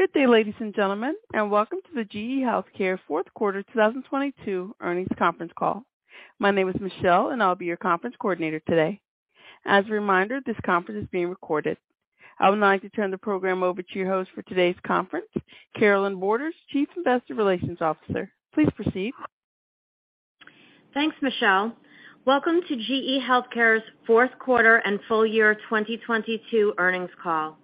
Good day, ladies and gentlemen, and welcome to the GE HealthCare Fourth Quarter 2022 Earnings Conference Call. My name is Michelle, and I'll be your conference coordinator today. As a reminder, this conference is being recorded. I would now like to turn the program over to your host for today's conference, Carolynne Borders, Chief Investor Relations Officer. Please proceed. Thanks, Michelle. Welcome to GE HealthCare's fourth quarter and full year 2022 earnings call.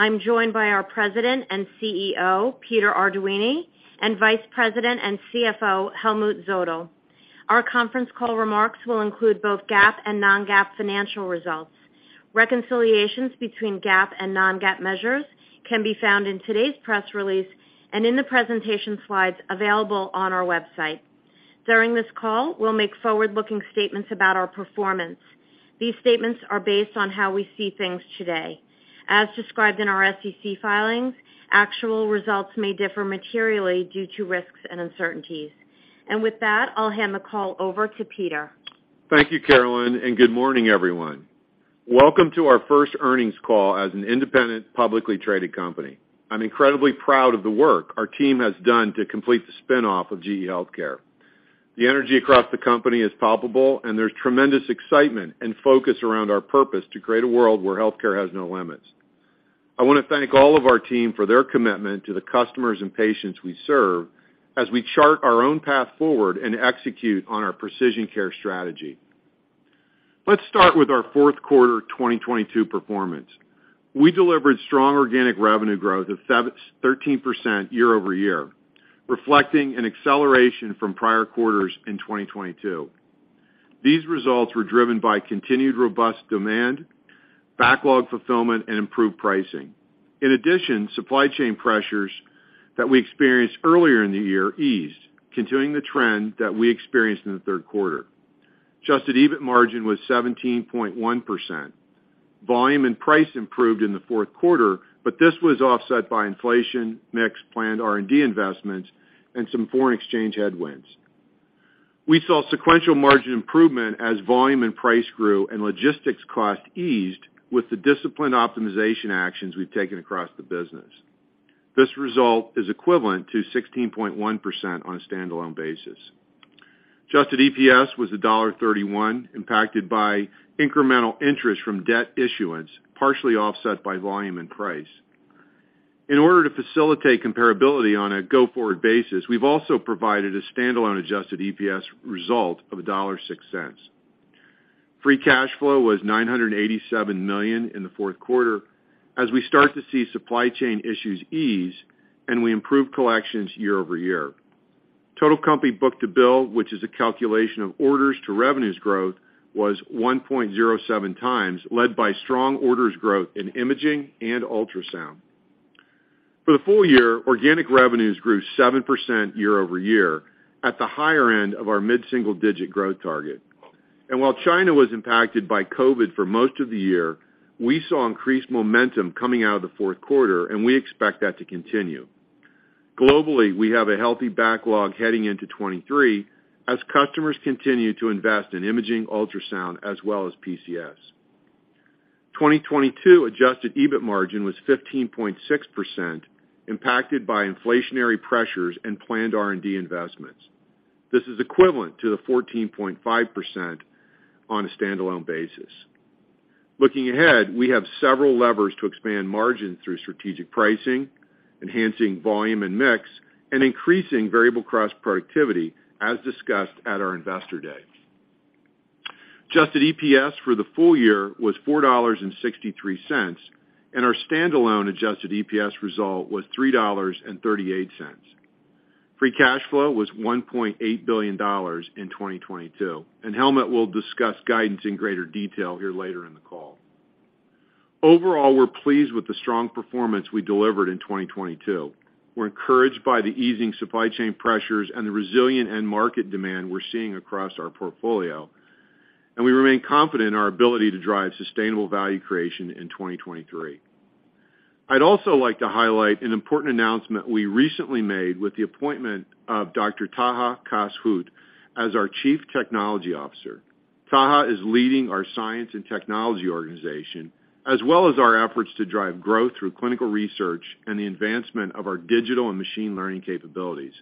I'm joined by our President and CEO, Peter Arduini, and Vice President and CFO, Helmut Zodl. Our conference call remarks will include both GAAP and non-GAAP financial results. Reconciliations between GAAP and non-GAAP measures can be found in today's press release and in the presentation slides available on our website. During this call, we'll make forward-looking statements about our performance. These statements are based on how we see things today. As described in our SEC filings, actual results may differ materially due to risks and uncertainties. With that, I'll hand the call over to Peter. Thank you, Carolynne. Good morning, everyone. Welcome to our first earnings call as an independent, publicly traded company. I'm incredibly proud of the work our team has done to complete the spin-off of GE HealthCare. The energy across the company is palpable, and there's tremendous excitement and focus around our purpose to create a world where healthcare has no limits. I want to thank all of our team for their commitment to the customers and patients we serve as we chart our own path forward and execute on our precision care strategy. Let's start with our fourth quarter 2022 performance. We delivered strong organic revenue growth of 13% year-over-year, reflecting an acceleration from prior quarters in 2022. These results were driven by continued robust demand, backlog fulfillment, and improved pricing. In addition, supply chain pressures that we experienced earlier in the year eased, continuing the trend that we experienced in the third quarter. Adjusted EBIT margin was 17.1%. Volume and price improved in the fourth quarter, but this was offset by inflation, mix, planned R&D investments, and some foreign exchange headwinds. We saw sequential margin improvement as volume and price grew and logistics cost eased with the disciplined optimization actions we've taken across the business. This result is equivalent to 16.1% on a standalone basis. Adjusted EPS was $1.31, impacted by incremental interest from debt issuance, partially offset by volume and price. In order to facilitate comparability on a go-forward basis, we've also provided a standalone adjusted EPS result of $1.06. Free Cash Flow was $987 million in the fourth quarter as we start to see supply chain issues ease, and we improve collections year-over-year. Total company book-to-bill, which is a calculation of orders to revenues growth, was 1.07 times, led by strong orders growth in imaging and ultrasound. For the full year, organic revenues grew 7% year-over-year at the higher end of our mid-single-digit growth target. While China was impacted by COVID for most of the year, we saw increased momentum coming out of the fourth quarter, and we expect that to continue. Globally, we have a healthy backlog heading into 2023 as customers continue to invest in imaging ultrasound as well as PCS. 2022 adjusted EBIT margin was 15.6%, impacted by inflationary pressures and planned R&D investments. This is equivalent to the 14.5% on a standalone basis. Looking ahead, we have several levers to expand margins through strategic pricing, enhancing volume and mix, and increasing variable cost productivity, as discussed at our Investor Day. Adjusted EPS for the full year was $4.63, and our standalone adjusted EPS result was $3.38. Free Cash Flow was $1.8 billion in 2022, and Helmut will discuss guidance in greater detail here later in the call. Overall, we're pleased with the strong performance we delivered in 2022. We're encouraged by the easing supply chain pressures and the resilient end market demand we're seeing across our portfolio. We remain confident in our ability to drive sustainable value creation in 2023. I'd also like to highlight an important announcement we recently made with the appointment of Dr. Taha Kass-Hout as our Chief Technology Officer. Taha is leading our science and technology organization, as well as our efforts to drive growth through clinical research and the advancement of our digital and machine learning capabilities,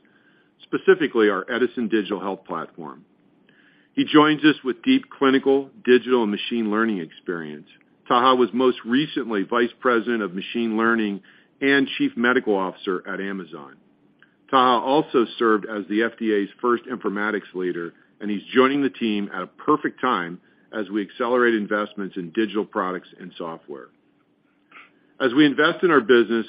specifically our Edison Digital Health Platform. He joins us with deep clinical, digital, and machine learning experience. Taha was most recently Vice President of Machine Learning and Chief Medical Officer at Amazon. Taha also served as the FDA's first informatics leader, and he's joining the team at a perfect time as we accelerate investments in digital products and software. As we invest in our business,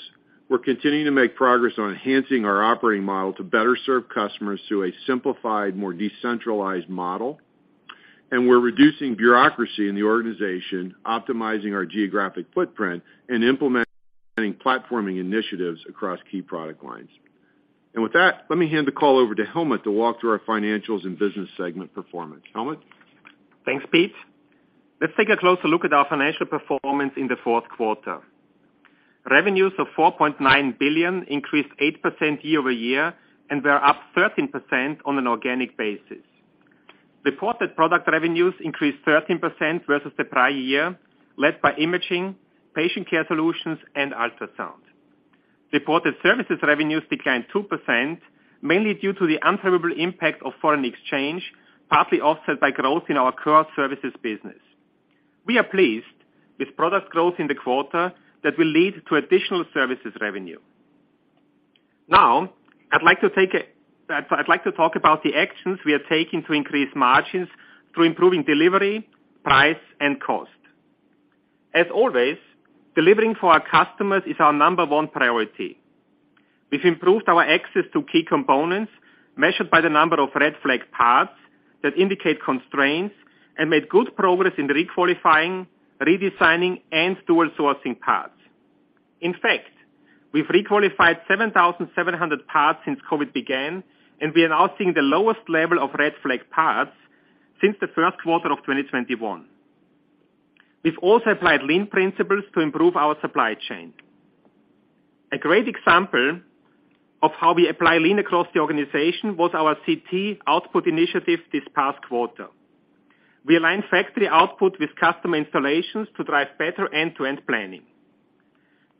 we're continuing to make progress on enhancing our operating model to better serve customers through a simplified, more decentralized model. We're reducing bureaucracy in the organization, optimizing our geographic footprint, and implementing platforming initiatives across key product lines. With that, let me hand the call over to Helmut to walk through our financials and business segment performance. Helmut? Thanks, Pete. Let's take a closer look at our financial performance in the fourth quarter. Revenues of $4.9 billion increased 8% year-over-year and were up 13% on an organic basis. Reported product revenues increased 13% versus the prior year, led by imaging, patient care solutions, and ultrasound. Reported services revenues declined 2%, mainly due to the unfavorable impact of foreign exchange, partly offset by growth in our core services business. We are pleased with product growth in the quarter that will lead to additional services revenue. I'd like to talk about the actions we are taking to increase margins through improving delivery, price, and cost. As always, delivering for our customers is our number one priority. We've improved our access to key components measured by the number of red flag parts that indicate constraints, and made good progress in requalifying, redesigning, and dual sourcing parts. In fact, we've requalified 7,700 parts since COVID began. We are now seeing the lowest level of red flag parts since the first quarter of 2021. We've also applied Lean principles to improve our supply chain. A great example of how we apply Lean across the organization was our CT output initiative this past quarter. We aligned factory output with customer installations to drive better end-to-end planning.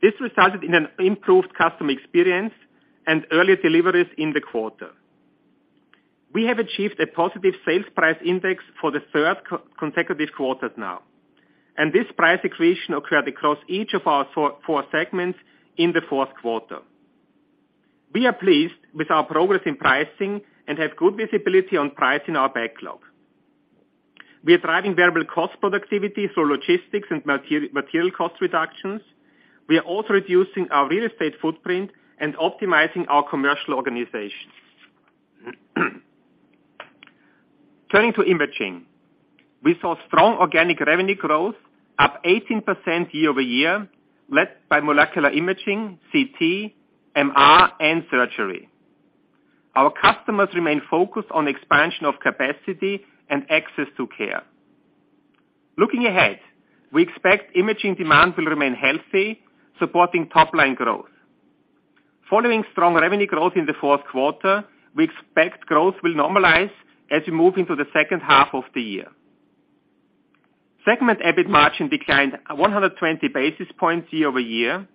This resulted in an improved customer experience and early deliveries in the quarter. We have achieved a positive sales price index for the third consecutive quarters now. This price accretion occurred across each of our four segments in the fourth quarter. We are pleased with our progress in pricing and have good visibility on price in our backlog. We are driving variable cost productivity through logistics and material cost reductions. We are also reducing our real estate footprint and optimizing our commercial organization. Turning to imaging. We saw strong organic revenue growth up 18% year-over-year, led by molecular imaging, CT, MR, and surgery. Our customers remain focused on expansion of capacity and access to care. Looking ahead, we expect imaging demand will remain healthy, supporting top line growth. Following strong revenue growth in the fourth quarter, we expect growth will normalize as we move into the second half of the year. Segment EBIT margin declined 120 basis points year-over-year.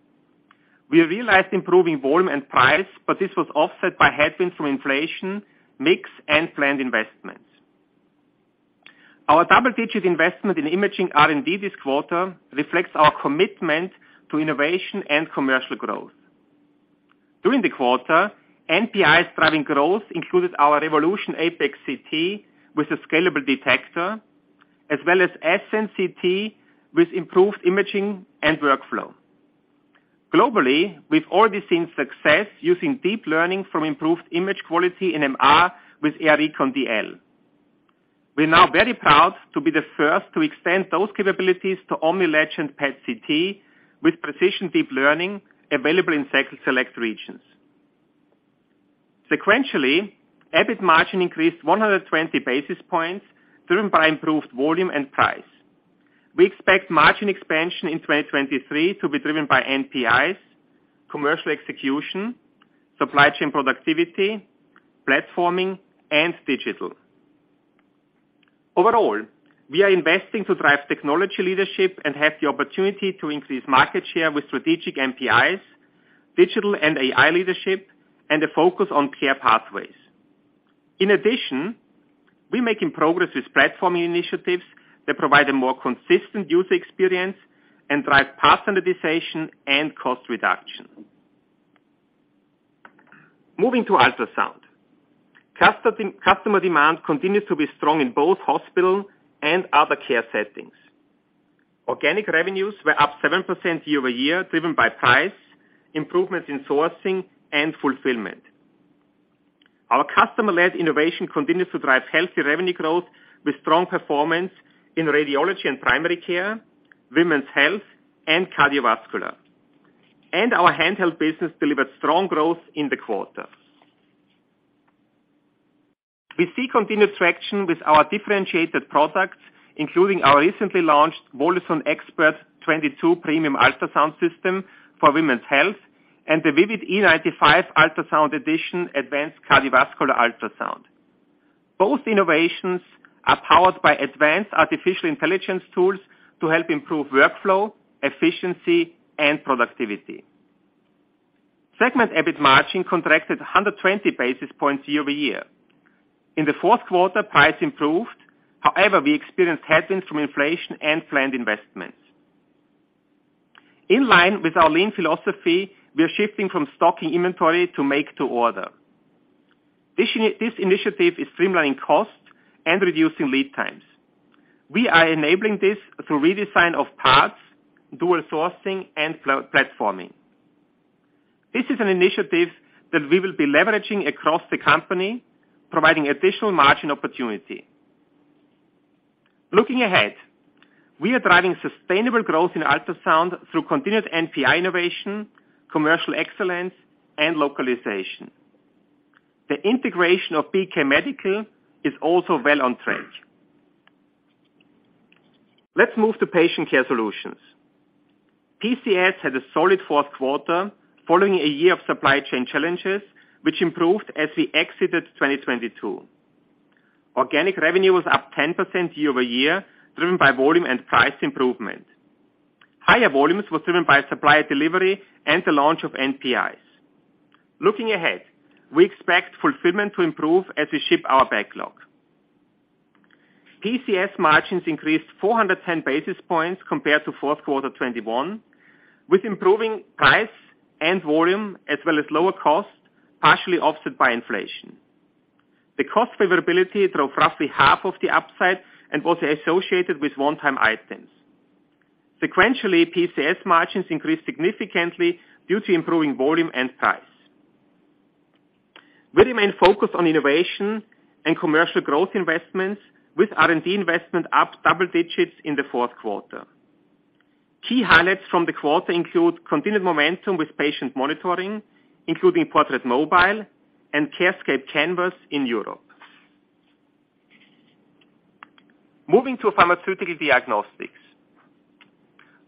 We realized improving volume and price, this was offset by headwinds from inflation, mix, and planned investments. Our double-digit investment in imaging R&D this quarter reflects our commitment to innovation and commercial growth. During the quarter, NPIs driving growth included our Revolution Apex CT with a scalable detector, as well as Revolution Ascend CT with improved imaging and workflow. Globally, we've already seen success using deep learning from improved image quality in MR with AIR Recon DL. We're now very proud to be the first to extend those capabilities to Omni Legend PET/CT with precision deep learning available in select regions. Sequentially, EBIT margin increased 120 basis points driven by improved volume and price. We expect margin expansion in 2023 to be driven by NPIs, commercial execution, supply chain productivity, platforming, and digital. Overall, we are investing to drive technology leadership and have the opportunity to increase market share with strategic NPIs, digital and AI leadership, and a focus on care pathways. In addition, we're making progress with platform initiatives that provide a more consistent user experience and drive standardization and cost reduction. Moving to ultrasound. Customer demand continues to be strong in both hospital and other care settings. Organic revenues were up 7% year-over-year, driven by price, improvements in sourcing, and fulfillment. Our customer-led innovation continues to drive healthy revenue growth with strong performance in radiology and primary care, women's health, and cardiovascular. Our handheld business delivered strong growth in the quarter. We see continued traction with our differentiated products, including our recently launched Voluson Expert 22 premium ultrasound system for women's health and the Vivid E95 Ultrasound Edition, advanced cardiovascular ultrasound. Both innovations are powered by advanced artificial intelligence tools to help improve workflow, efficiency, and productivity. Segment EBIT margin contracted 120 basis points year-over-year. In the fourth quarter, price improved. However, we experienced headwinds from inflation and planned investments. In line with our Lean philosophy, we are shifting from stocking inventory to make to order. This initiative is streamlining costs and reducing lead times. We are enabling this through redesign of parts, dual sourcing, and platforming. This is an initiative that we will be leveraging across the company, providing additional margin opportunity. Looking ahead, we are driving sustainable growth in ultrasound through continued NPI innovation, commercial excellence, and localization. The integration of BK Medical is also well on track. Let's move to patient care solutions. PCS had a solid fourth quarter following a year of supply chain challenges, which improved as we exited 2022. Organic revenue was up 10% year-over-year, driven by volume and price improvement. Higher volumes was driven by supplier delivery and the launch of NPIs. Looking ahead, we expect fulfillment to improve as we ship our backlog. PCS margins increased 410 basis points compared to fourth quarter 2021, with improving price and volume as well as lower cost, partially offset by inflation. The cost favorability drove roughly half of the upside and was associated with one-time items. Sequentially, PCS margins increased significantly due to improving volume and price. We remain focused on innovation and commercial growth investments with R&D investment up double digits in the fourth quarter. Key highlights from the quarter include continued momentum with patient monitoring, including Portrait Mobile and CARESCAPE Canvas in Europe. Moving to pharmaceutical diagnostics.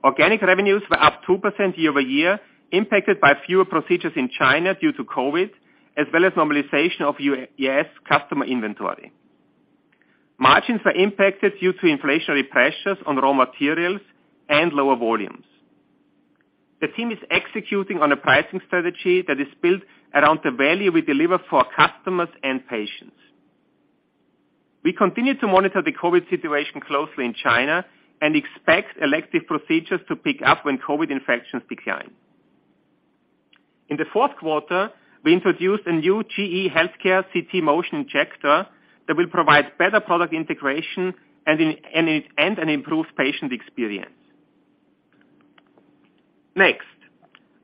Organic revenues were up 2% year-over-year, impacted by fewer procedures in China due to COVID, as well as normalization of U.S. customer inventory. Margins were impacted due to inflationary pressures on raw materials and lower volumes. The team is executing on a pricing strategy that is built around the value we deliver for our customers and patients. We continue to monitor the COVID situation closely in China and expect elective procedures to pick up when COVID infections decline. In the fourth quarter, we introduced a new GE HealthCare CT Motion injector that will provide better product integration and an improved patient experience.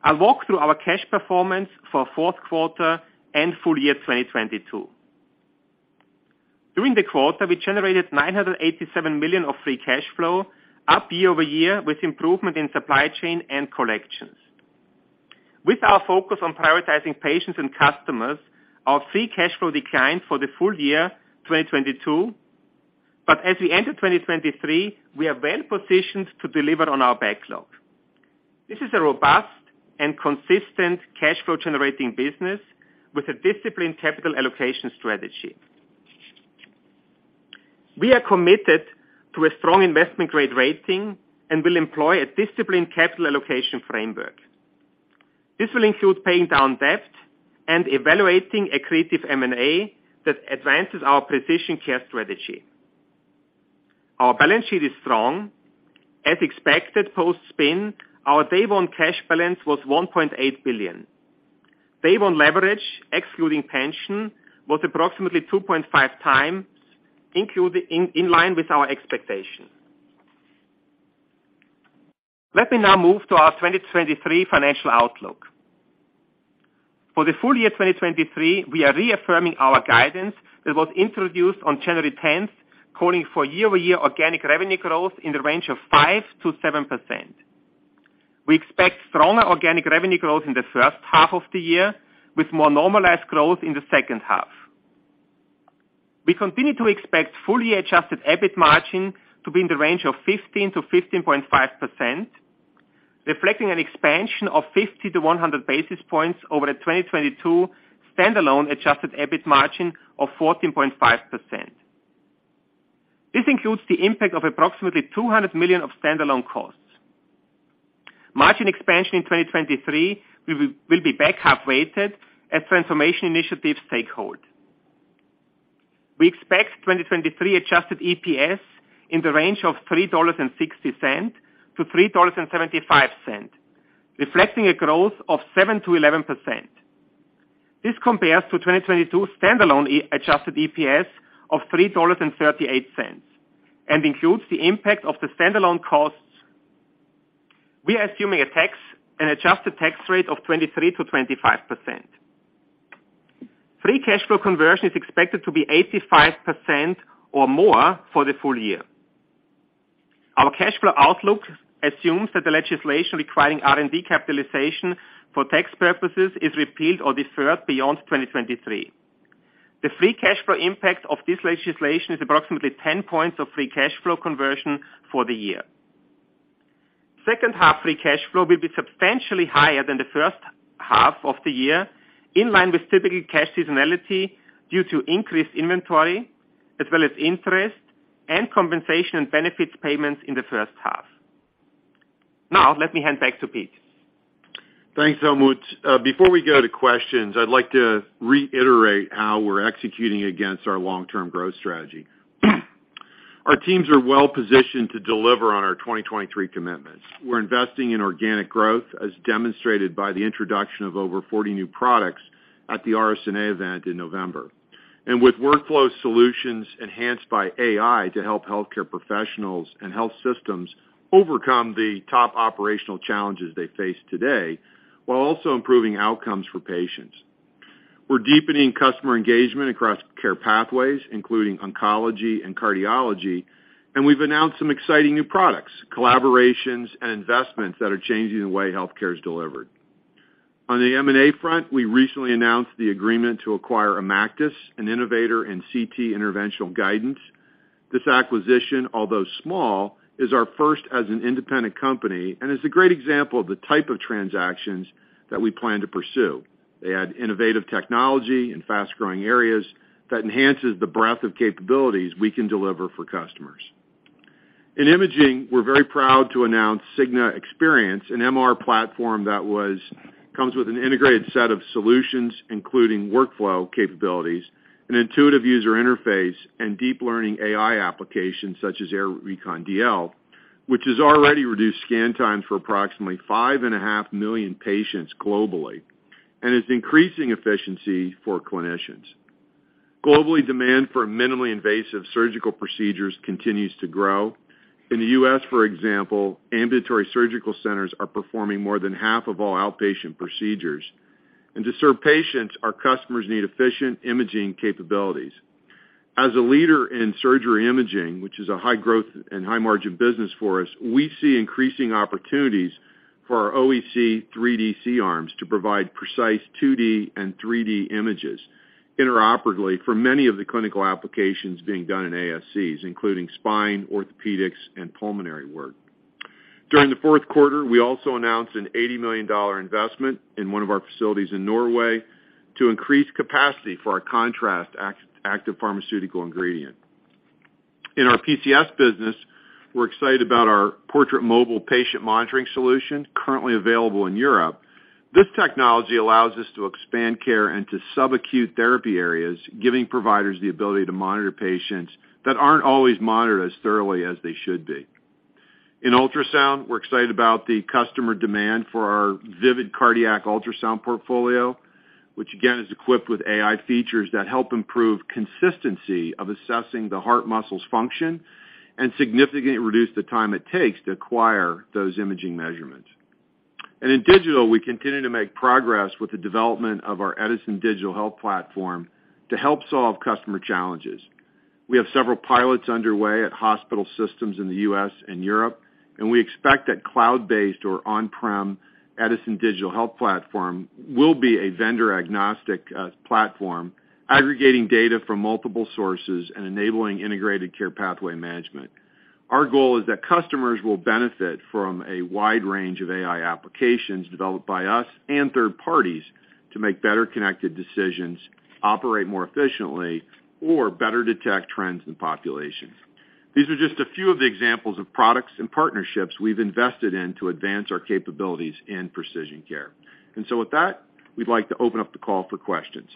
I'll walk through our cash performance for fourth quarter and full year 2022. During the quarter, we generated $987 million of Free Cash Flow, up year-over-year with improvement in supply chain and collections. With our focus on prioritizing patients and customers, our Free Cash Flow declined for the full year 2022. As we enter 2023, we are well positioned to deliver on our backlog. This is a robust and consistent cash flow generating business with a disciplined capital allocation strategy. We are committed to a strong investment-grade rating and will employ a disciplined capital allocation framework. This will include paying down debt and evaluating accretive M&A that advances our precision care strategy. Our balance sheet is strong. As expected, post-spin, our day one cash balance was $1.8 billion. Day one leverage, excluding pension, was approximately 2.5x in line with our expectations. Let me now move to our 2023 financial outlook. For the full year 2023, we are reaffirming our guidance that was introduced on January 10th, calling for year-over-year organic revenue growth in the range of 5%-7%. We expect stronger organic revenue growth in the first half of the year, with more normalized growth in the second half. We continue to expect full-year adjusted EBIT margin to be in the range of 15%-15.5%, reflecting an expansion of 50-100 basis points over the 2022 standalone Adjusted EBIT margin of 14.5%. This includes the impact of approximately $200 million of standalone costs. Margin expansion in 2023 will be back half weighted as transformation initiatives take hold. We expect 2023 adjusted EPS in the range of $3.60-$3.75, reflecting a growth of 7%-11%. This compares to 2022 standalone Adjusted EPS of $3.38 and includes the impact of the standalone costs. We are assuming an adjusted tax rate of 23%-25%. Free Cash Flow conversion is expected to be 85% or more for the full year. Our cash flow outlook assumes that the legislation requiring R&D capitalization for tax purposes is repealed or deferred beyond 2023. The Free Cash Flow impact of this legislation is approximately 10 points of Free Cash Flow conversion for the year. Second half Free Cash Flow will be substantially higher than the first half of the year, in line with typical cash seasonality due to increased inventory as well as interest and compensation benefits payments in the first half. Let me hand back to Pete. Thanks, Helmut. Before we go to questions, I'd like to reiterate how we're executing against our long-term growth strategy. Our teams are well positioned to deliver on our 2023 commitments. We're investing in organic growth, as demonstrated by the introduction of over 40 new products at the RSNA event in November. With workflow solutions enhanced by AI to help healthcare professionals and health systems overcome the top operational challenges they face today, while also improving outcomes for patients. We're deepening customer engagement across care pathways, including oncology and cardiology, we've announced some exciting new products, collaborations and investments that are changing the way healthcare is delivered. On the M&A front, we recently announced the agreement to acquire IMACTIS, an innovator in CT interventional guidance. This acquisition, although small, is our first as an independent company and is a great example of the type of transactions that we plan to pursue. They add innovative technology in fast-growing areas that enhances the breadth of capabilities we can deliver for customers. In imaging, we're very proud to announce SIGNA Experience, an MR platform that comes with an integrated set of solutions, including workflow capabilities, an intuitive user interface, and deep learning AI applications such as AIR Recon DL, which has already reduced scan time for approximately 5.5 million patients globally and is increasing efficiency for clinicians. Globally, demand for minimally invasive surgical procedures continues to grow. In the U.S., for example, Ambulatory Surgery Centers are performing more than half of all outpatient procedures. To serve patients, our customers need efficient imaging capabilities. As a leader in surgery imaging, which is a high-growth and high-margin business for us, we see increasing opportunities for our OEC 3D C-arms to provide precise 2D and 3D images interoperably for many of the clinical applications being done in ASCs, including spine, orthopedics, and pulmonary work. During the fourth quarter, we also announced an $80 million investment in one of our facilities in Norway to increase capacity for our contrast Active Pharmaceutical Ingredients. In our PCS business, we're excited about our Portrait Mobile patient monitoring solution, currently available in Europe. This technology allows us to expand care into subacute therapy areas, giving providers the ability to monitor patients that aren't always monitored as thoroughly as they should be. In ultrasound, we're excited about the customer demand for our Vivid cardiac ultrasound portfolio, which again, is equipped with AI features that help improve consistency of assessing the heart muscle's function and significantly reduce the time it takes to acquire those imaging measurements. In digital, we continue to make progress with the development of our Edison Digital Health Platform to help solve customer challenges. We have several pilots underway at hospital systems in the U.S. and Europe, and we expect that cloud-based or on-prem Edison Digital Health Platform will be a vendor-agnostic platform, aggregating data from multiple sources and enabling integrated care pathway management. Our goal is that customers will benefit from a wide range of AI applications developed by us and third parties to make better connected decisions, operate more efficiently or better detect trends in populations. These are just a few of the examples of products and partnerships we've invested in to advance our capabilities in precision care. With that, we'd like to open up the call for questions.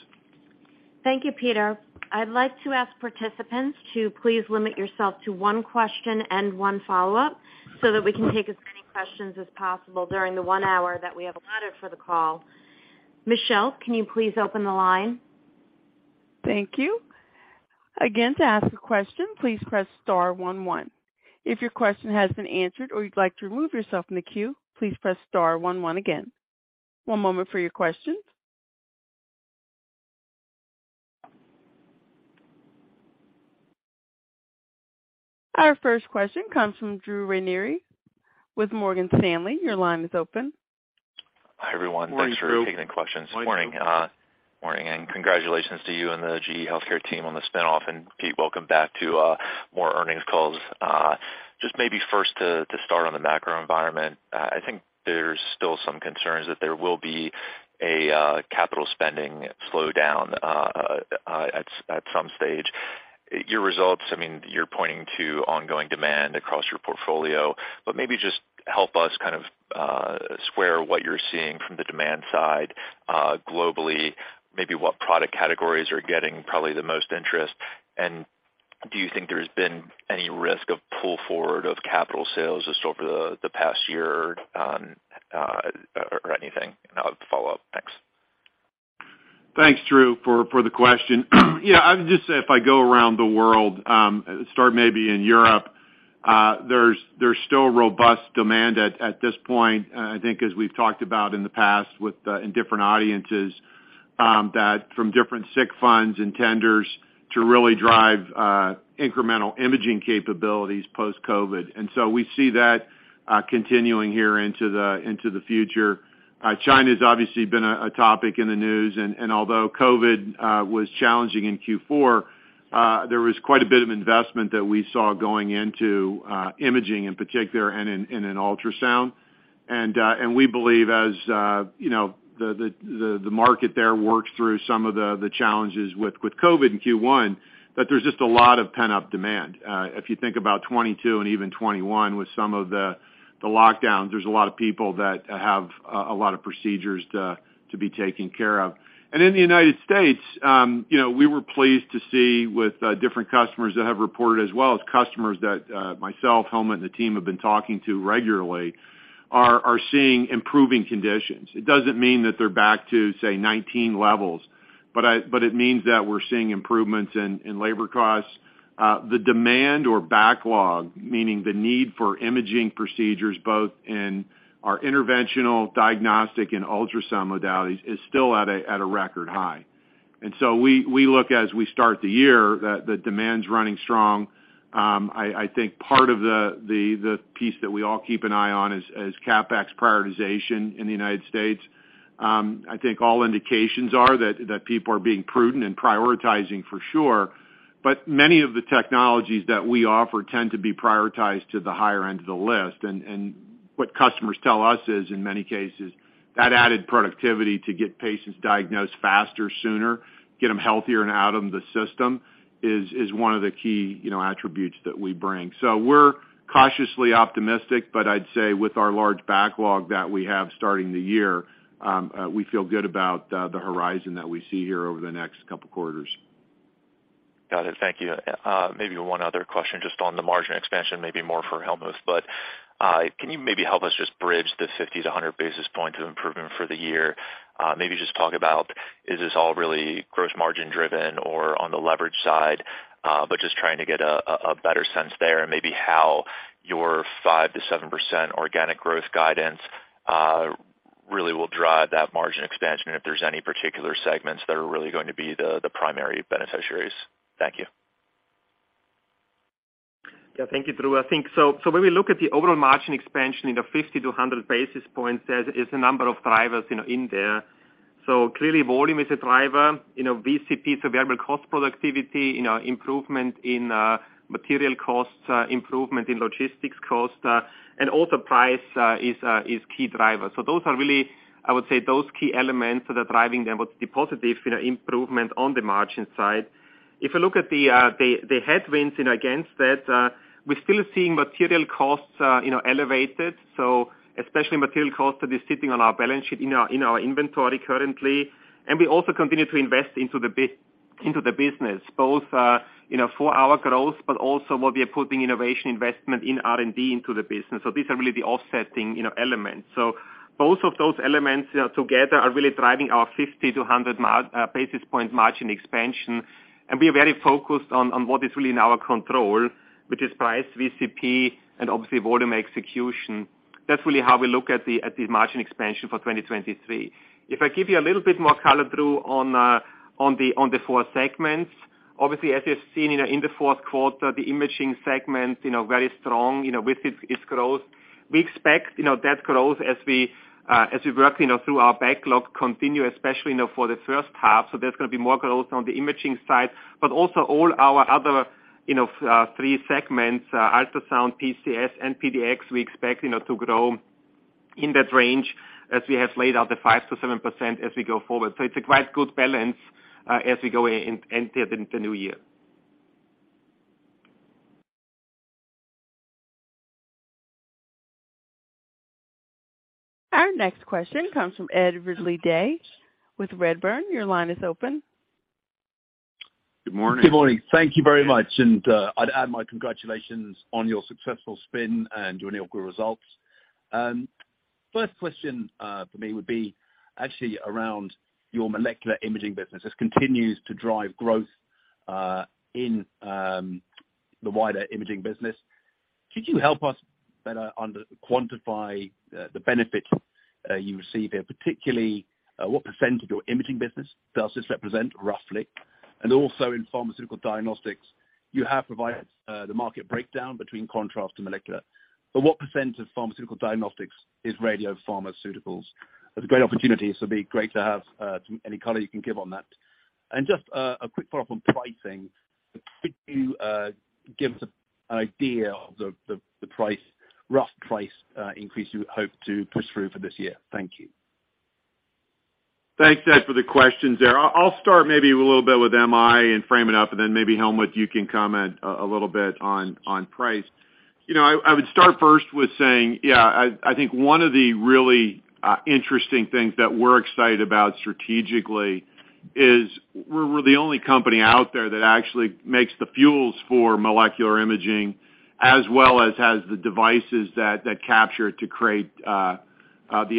Thank you, Peter. I'd like to ask participants to please limit yourself to one question and one follow-up so that we can take as many questions as possible during the one hour that we have allotted for the call. Michelle, can you please open the line? Thank you. Again, to ask a question, please press star one one. If your question has been answered or you'd like to remove yourself from the queue, please press star one one again. One moment for your questions. Our first question comes from Drew Ranieri with Morgan Stanley. Your line is open. Hi, everyone. Morning, Drew. Thanks for taking the questions this morning. Morning, and congratulations to you and the GE HealthCare team on the spin-off. Pete, welcome back to more earnings calls. Just maybe first to start on the macro environment. I think there's still some concerns that there will be a capital spending slowdown at some stage. Your results, I mean, you're pointing to ongoing demand across your portfolio, but maybe just help us kind of square what you're seeing from the demand side globally, maybe what product categories are getting probably the most interest. Do you think there's been any risk of pull forward of capital sales just over the past year or anything? I'll have the follow-up. Thanks. Thanks, Drew, for the question. Yeah, I would just say if I go around the world, start maybe in Europe, there's still robust demand at this point. I think as we've talked about in the past with in different audiences, that from different SIC funds and tenders to really drive incremental imaging capabilities post-COVID. We see that continuing here into the future. Although COVID was challenging in Q4, there was quite a bit of investment that we saw going into imaging in particular and in an ultrasound. We believe as, you know, the market there works through some of the challenges with COVID in Q1, that there's just a lot of pent-up demand. If you think about 2022 and even 2021 with some of the lockdowns, there's a lot of people that have a lot of procedures to be taken care of. In the United States, you know, we were pleased to see with different customers that have reported as well as customers that myself, Helmut, and the team have been talking to regularly are seeing improving conditions. It doesn't mean that they're back to, say, 2019 levels, but it means that we're seeing improvements in labor costs. The demand or backlog, meaning the need for imaging procedures, both in our interventional, diagnostic, and ultrasound modalities, is still at a record high. We look as we start the year that demand's running strong. I think part of the piece that we all keep an eye on is CapEx prioritization in the United States. I think all indications are that people are being prudent and prioritizing for sure. Many of the technologies that we offer tend to be prioritized to the higher end of the list. What customers tell us is, in many cases, that added productivity to get patients diagnosed faster, sooner, get them healthier and out of the system is one of the key, you know, attributes that we bring. We're cautiously optimistic, but I'd say with our large backlog that we have starting the year, we feel good about the horizon that we see here over the next couple of quarters. Got it. Thank you. Maybe one other question just on the margin expansion, maybe more for Helmut. Can you maybe help us just bridge the 50-100 basis points of improvement for the year? Maybe just talk about, is this all really gross margin driven or on the leverage side? But just trying to get a better sense there, and maybe how your 5%-7% organic growth guidance, really will drive that margin expansion, if there's any particular segments that are really going to be the primary beneficiaries. Thank you. Yeah, thank you, Drew. I think when we look at the overall margin expansion in the 50-100 basis points, there is a number of drivers, you know, in there. Clearly, volume is a driver. You know VCP, so variable cost productivity, you know, improvement in material costs, improvement in logistics costs, and also price is key driver. Those are really, I would say, those key elements that are driving them with the positive, you know, improvement on the margin side. If you look at the, the headwinds in against that, we're still seeing material costs, you know, elevated, so especially material costs that are sitting on our balance sheet in our, in our inventory currently. We also continue to invest into the business both, you know, for our growth, but also what we are putting innovation investment in R&D into the business. These are really the offsetting, you know, elements. Both of those elements together are really driving our 50-100 basis point margin expansion, and we are very focused on what is really in our control, which is price, VCP, and obviously volume execution. That's really how we look at the margin expansion for 2023. If I give you a little bit more color through on the four segments, obviously as you've seen in the fourth quarter, the imaging segment, you know, very strong, you know, with its growth. We expect, you know, that growth as we, as we work, you know, through our backlog continue, especially, you know, for the first half. There's gonna be more growth on the imaging side, but also all our other, you know, three segments, ultrasound, PCS, and PDX, we expect, you know, to grow in that range as we have laid out the 5%-7% as we go forward. It's a quite good balance as we go into the new year. Our next question comes from Ed Ridley-Day with Redburn. Your line is open. Good morning. Good morning. Thank you very much. I'd add my congratulations on your successful spin and your annual good results. First question for me would be actually around your molecular imaging business. This continues to drive growth in the wider imaging business. Could you help us better quantify the benefit you receive here, particularly, what percentage of your imaging business does this represent, roughly? Also in pharmaceutical diagnostics, you have provided the market breakdown between contrast to molecular. What percentage of pharmaceutical diagnostics is radiopharmaceuticals? It's a great opportunity, so it'd be great to have any color you can give on that. Just a quick follow-up on pricing. Could you give us an idea of the rough price increase you hope to push through for this year? Thank you. Thanks, Ed, for the questions there. I'll start maybe a little bit with MI and frame it up, and then maybe Helmut, you can comment a little bit on price. You know, I would start first with saying, yeah, I think one of the really interesting things that we're excited about strategically is we're the only company out there that actually makes the fuels for molecular imaging as well as has the devices that capture to create the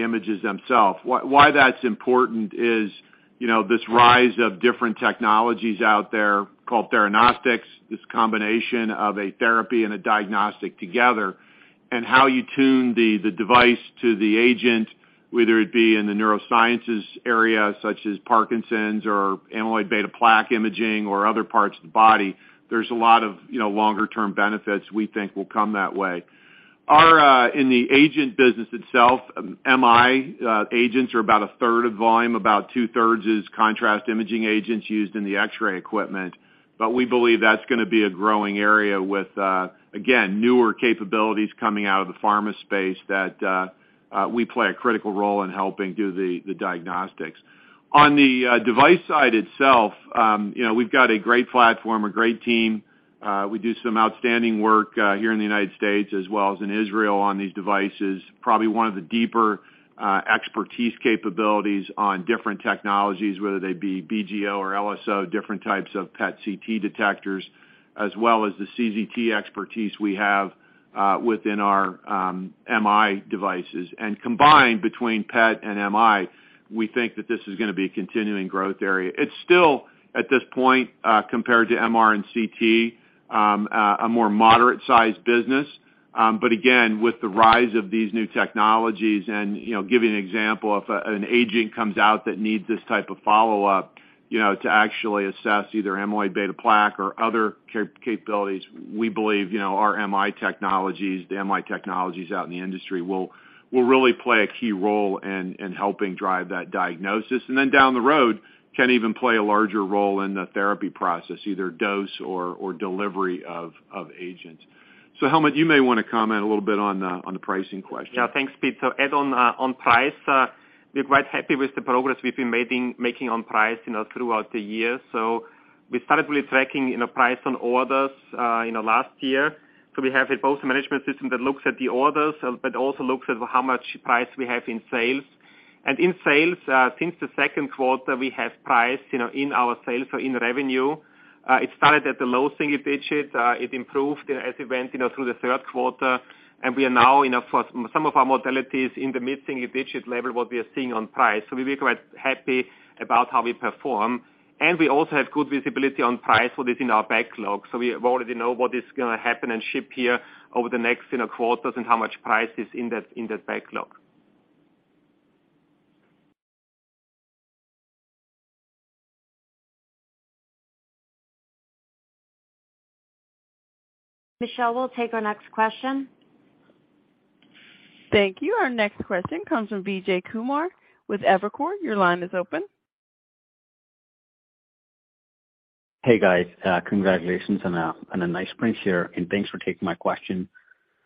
images themselves. Why that's important is, you know, this rise of different technologies out there called Theranostics, this combination of a therapy and a diagnostic together, and how you tune the device to the agent, whether it be in the neurosciences area such as Parkinson's or amyloid-beta plaque imaging or other parts of the body, there's a lot of, you know, longer term benefits we think will come that way. Our in the agent business itself, MI agents are about a third of volume. About 2/3 is contrast imaging agents used in the X-ray equipment. We believe that's gonna be a growing area with again, newer capabilities coming out of the pharma space that we play a critical role in helping do the diagnostics. On the device side itself, you know, we've got a great platform, a great team. We do some outstanding work here in the United States as well as in Israel on these devices. Probably one of the deeper expertise capabilities on different technologies, whether they be BGO or LSO, different types of PET/CT detectors, as well as the CZT expertise we have within our MI devices. Combined between PET and MI, we think that this is gonna be a continuing growth area. It's still, at this point, compared to MR and CT, a more moderate size business. Again, with the rise of these new technologies and, you know, giving an example, if an agent comes out that needs this type of follow-up, you know, to actually assess either amyloid-beta plaque or other capabilities, we believe, you know, our MI technologies, the MI technologies out in the industry will really play a key role in helping drive that diagnosis. Down the road, can even play a larger role in the therapy process, either dose or delivery of agents. Helmut, you may wanna comment a little bit on the pricing question. Yeah. Thanks, Pete. Add on price, we're quite happy with the progress we've been making on price, you know, throughout the year. We started really tracking, you know, price on orders, you know, last year. We have a both management systems that looks at the orders, but also looks at how much price we have in sales. In sales, since the second quarter, we have price, you know, in our sales or in revenue. It started at the low single digits, it improved as it went, you know, through the third quarter, and we are now, you know, for some of our modalities in the mid-single digit level what we are seeing on price. We're quite happy about how we perform. We also have good visibility on price for this in our backlog. We already know what is gonna happen and ship here over the next, you know, quarters and how much price is in that, in that backlog. Michelle, we'll take our next question. Thank you. Our next question comes from Vijay Kumar with Evercore. Your line is open. Hey, guys, congratulations on a nice print share. Thanks for taking my question.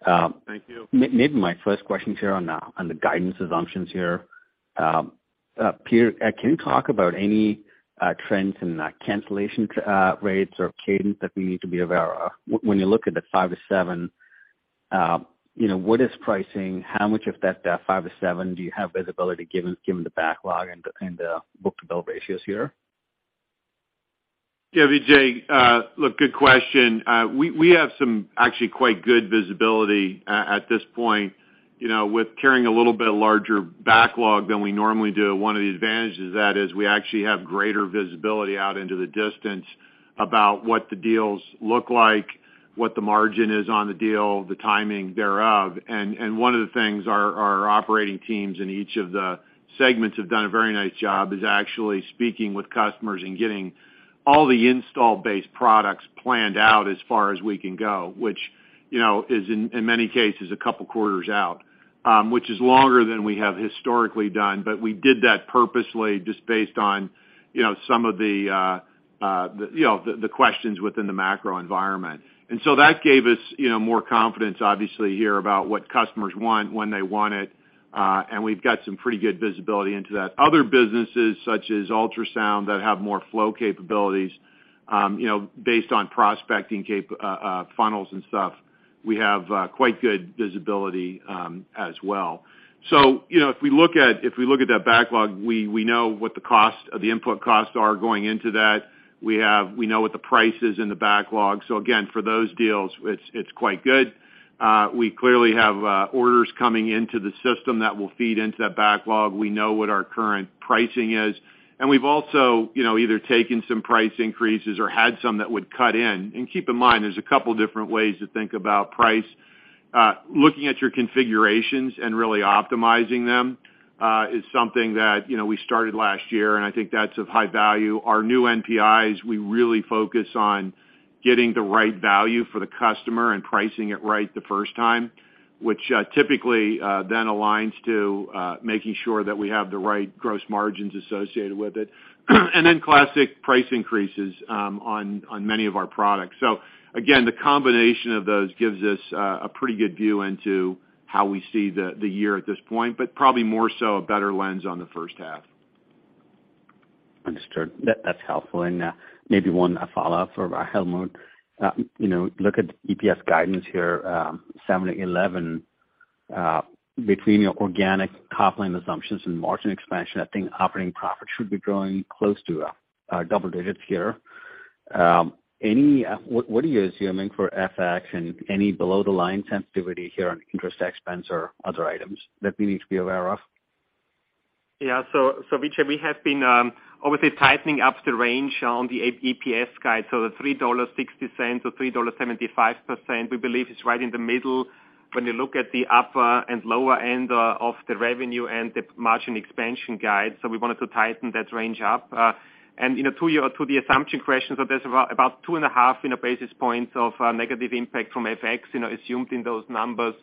Thank you. Maybe my first question is here on the guidance assumptions here. Peter, can you talk about any trends in cancellation rates or cadence that we need to be aware of? When you look at the 5%-7%, you know, what is pricing? How much of that 5%-7% do you have visibility given the backlog and the book-to-bill ratios here? Yeah, Vijay, look, good question. We have some actually quite good visibility at this point. You know, with carrying a little bit larger backlog than we normally do, one of the advantages of that is we actually have greater visibility out into the distance about what the deals look like, what the margin is on the deal, the timing thereof. One of the things our operating teams in each of the segments have done a very nice job, is actually speaking with customers and getting all the install-based products planned out as far as we can go, which, you know, is in many cases, a couple quarters out, which is longer than we have historically done. We did that purposely just based on, you know, some of the, you know, the questions within the macro environment. That gave us, you know, more confidence, obviously, here about what customers want, when they want it, and we've got some pretty good visibility into that. Other businesses such as ultrasound that have more flow capabilities, you know, based on prospecting funnels and stuff, we have quite good visibility as well. You know, if we look at, if we look at that backlog, we know what the cost of the input costs are going into that. We know what the price is in the backlog. Again, for those deals, it's quite good. We clearly have orders coming into the system that will feed into that backlog. We know what our current pricing is. We've also, you know, either taken some price increases or had some that would cut in. Keep in mind, there's a couple different ways to think about price. Looking at your configurations and really optimizing them, is something that, you know, we started last year, and I think that's of high value. Our new NPIs, we really focus on getting the right value for the customer and pricing it right the first time, which, typically, then aligns to making sure that we have the right gross margins associated with it. Then classic price increases, on many of our products. Again, the combination of those gives us a pretty good view into how we see the year at this point, but probably more so a better lens on the first half. Understood. That's helpful. Maybe one follow-up for Helmut. You know, look at EPS guidance here, $7-$11. Between your organic top line assumptions and margin expansion, I think operating profit should be growing close to double digits here. Any, what are you assuming for FX and any below-the-line sensitivity here on interest expense or other items that we need to be aware of? Yeah. Vijay, we have been obviously tightening up the range on the EPS guide. The $3.60-$3.75, we believe is right in the middle when you look at the upper and lower end of the revenue and the margin expansion guide. We wanted to tighten that range up. You know, to your, to the assumption questions, there's about 2.5, you know, basis points of negative impact from FX, you know, assumed in those numbers,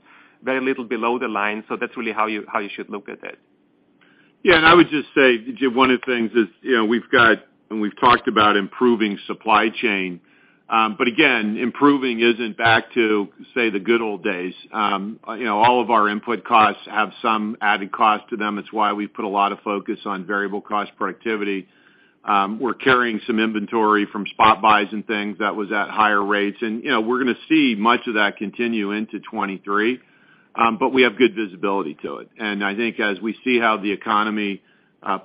very little below the line. That's really how you should look at it. I would just say, Vijay, one of the things is, you know, we've talked about improving supply chain. Again, improving isn't back to, say, the good old days. You know, all of our input costs have some added cost to them. It's why we've put a lot of focus on variable cost productivity. We're carrying some inventory from spot buys and things that was at higher rates. You know, we're gonna see much of that continue into 2023, but we have good visibility to it. I think as we see how the economy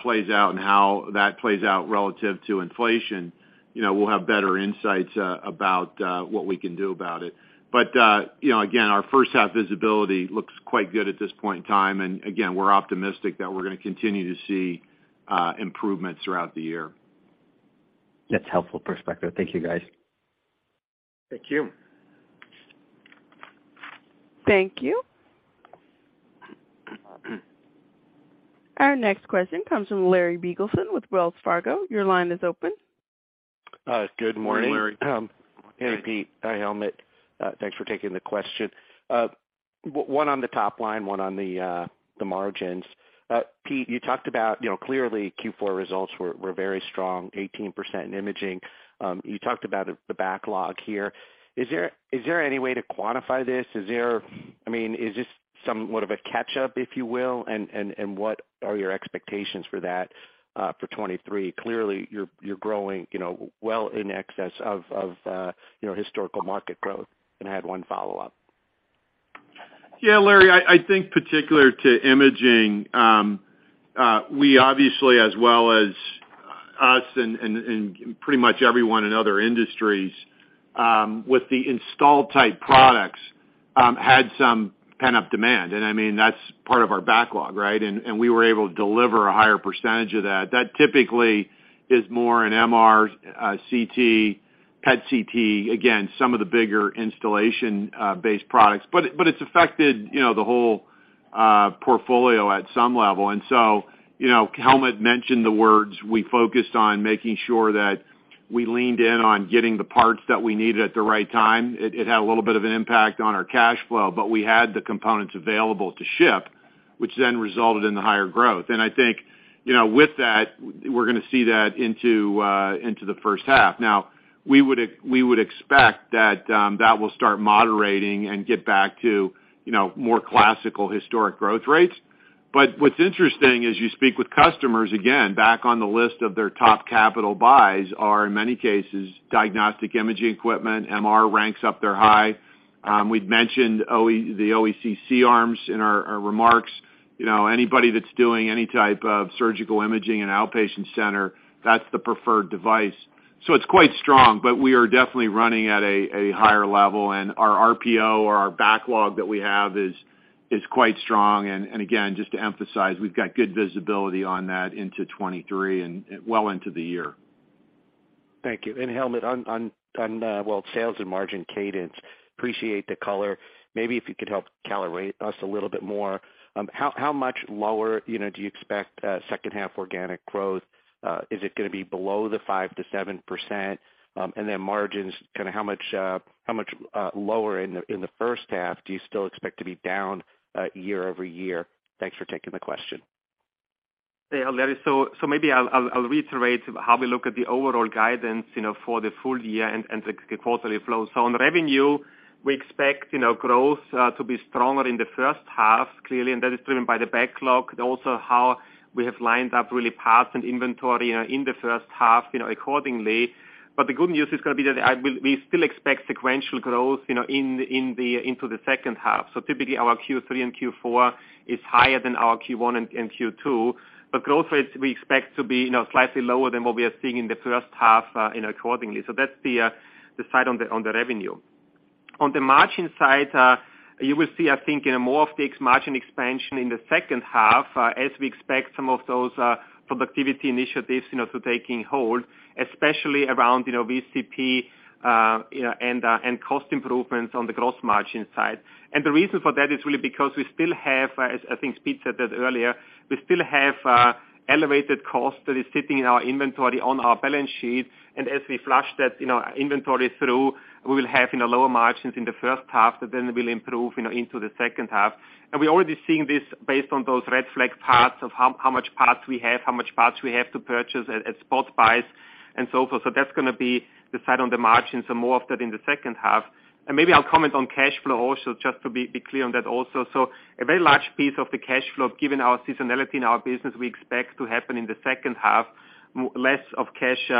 plays out and how that plays out relative to inflation, you know, we'll have better insights about what we can do about it. You know, again, our first half visibility looks quite good at this point in time. Again, we're optimistic that we're gonna continue to see improvement throughout the year. That's helpful perspective. Thank you, guys. Thank you. Thank you. Our next question comes from Larry Biegelsen with Wells Fargo. Your line is open. Good morning. Morning, Larry. Hey, Pete. Hi, Helmut. Thanks for taking the question. One on the top line, one on the margins. Pete, you talked about, you know, clearly Q4 results were very strong, 18% in imaging. You talked about the backlog here. Is there any way to quantify this? I mean, is this somewhat of a catch-up, if you will? What are your expectations for that for 2023? Clearly, you're growing, you know, well in excess of, you know, historical market growth. I had one follow-up. Yeah, Larry, I think particular to imaging, we obviously as well as us and pretty much everyone in other industries, with the installed type products, had some pent-up demand. I mean, that's part of our backlog, right? We were able to deliver a higher percentage of that. That typically is more an MR, CT, PET/CT, again, some of the bigger installation-based products. It's affected, you know, the whole portfolio at some level. You know, Helmut mentioned the words, we focused on making sure that we leaned in on getting the parts that we needed at the right time. It had a little bit of an impact on our cash flow, but we had the components available to ship, which then resulted in the higher growth. I think, you know, with that, we're gonna see that into the first half. We would expect that will start moderating and get back to, you know, more classical historic growth rates. What's interesting is you speak with customers, again, back on the list of their top capital buys are, in many cases, diagnostic imaging equipment. MR ranks up their high. We'd mentioned the OEC C-arms in our remarks. You know, anybody that's doing any type of surgical imaging in outpatient center, that's the preferred device. It's quite strong, but we are definitely running at a higher level, and our RPO or our backlog that we have is quite strong. Again, just to emphasize, we've got good visibility on that into 2023 and well into the year. Thank you. Helmut, on sales and margin cadence, appreciate the color. Maybe if you could help calibrate us a little bit more, how much lower, you know, do you expect second half organic growth? Is it gonna be below the 5%-7%? Then margins, kinda how much lower in the first half do you still expect to be down year-over-year? Thanks for taking the question. Yeah, Larry, maybe I'll reiterate how we look at the overall guidance, you know, for the full year and the quarterly flow. On revenue, we expect, you know, growth to be stronger in the first half, clearly, and that is driven by the backlog, and also how we have lined up really parts and inventory, you know, in the first half, you know, accordingly. The good news is gonna be that we still expect sequential growth, you know, into the second half. Typically, our Q3 and Q4 is higher than our Q1 and Q2. Growth rates we expect to be, you know, slightly lower than what we are seeing in the first half, you know, accordingly. That's the side on the revenue. On the margin side, you will see, I think, you know, more of the margin expansion in the second half, as we expect some of those productivity initiatives, you know, to taking hold, especially around, you know, VCP, and cost improvements on the gross margin side. The reason for that is really because we still have, as I think Pete said that earlier, we still have elevated cost that is sitting in our inventory on our balance sheet. As we flush that, you know, inventory through, we will have, you know, lower margins in the first half, but then we'll improve, you know, into the second half. We're already seeing this based on those red flag parts of how much parts we have, how much parts we have to purchase at spot buys and so forth. That's gonna be the side on the margins and more of that in the second half. Maybe I'll comment on cash flow also, just to be clear on that also. A very large piece of the cash flow, given our seasonality in our business, we expect to happen in the second half. Less of cash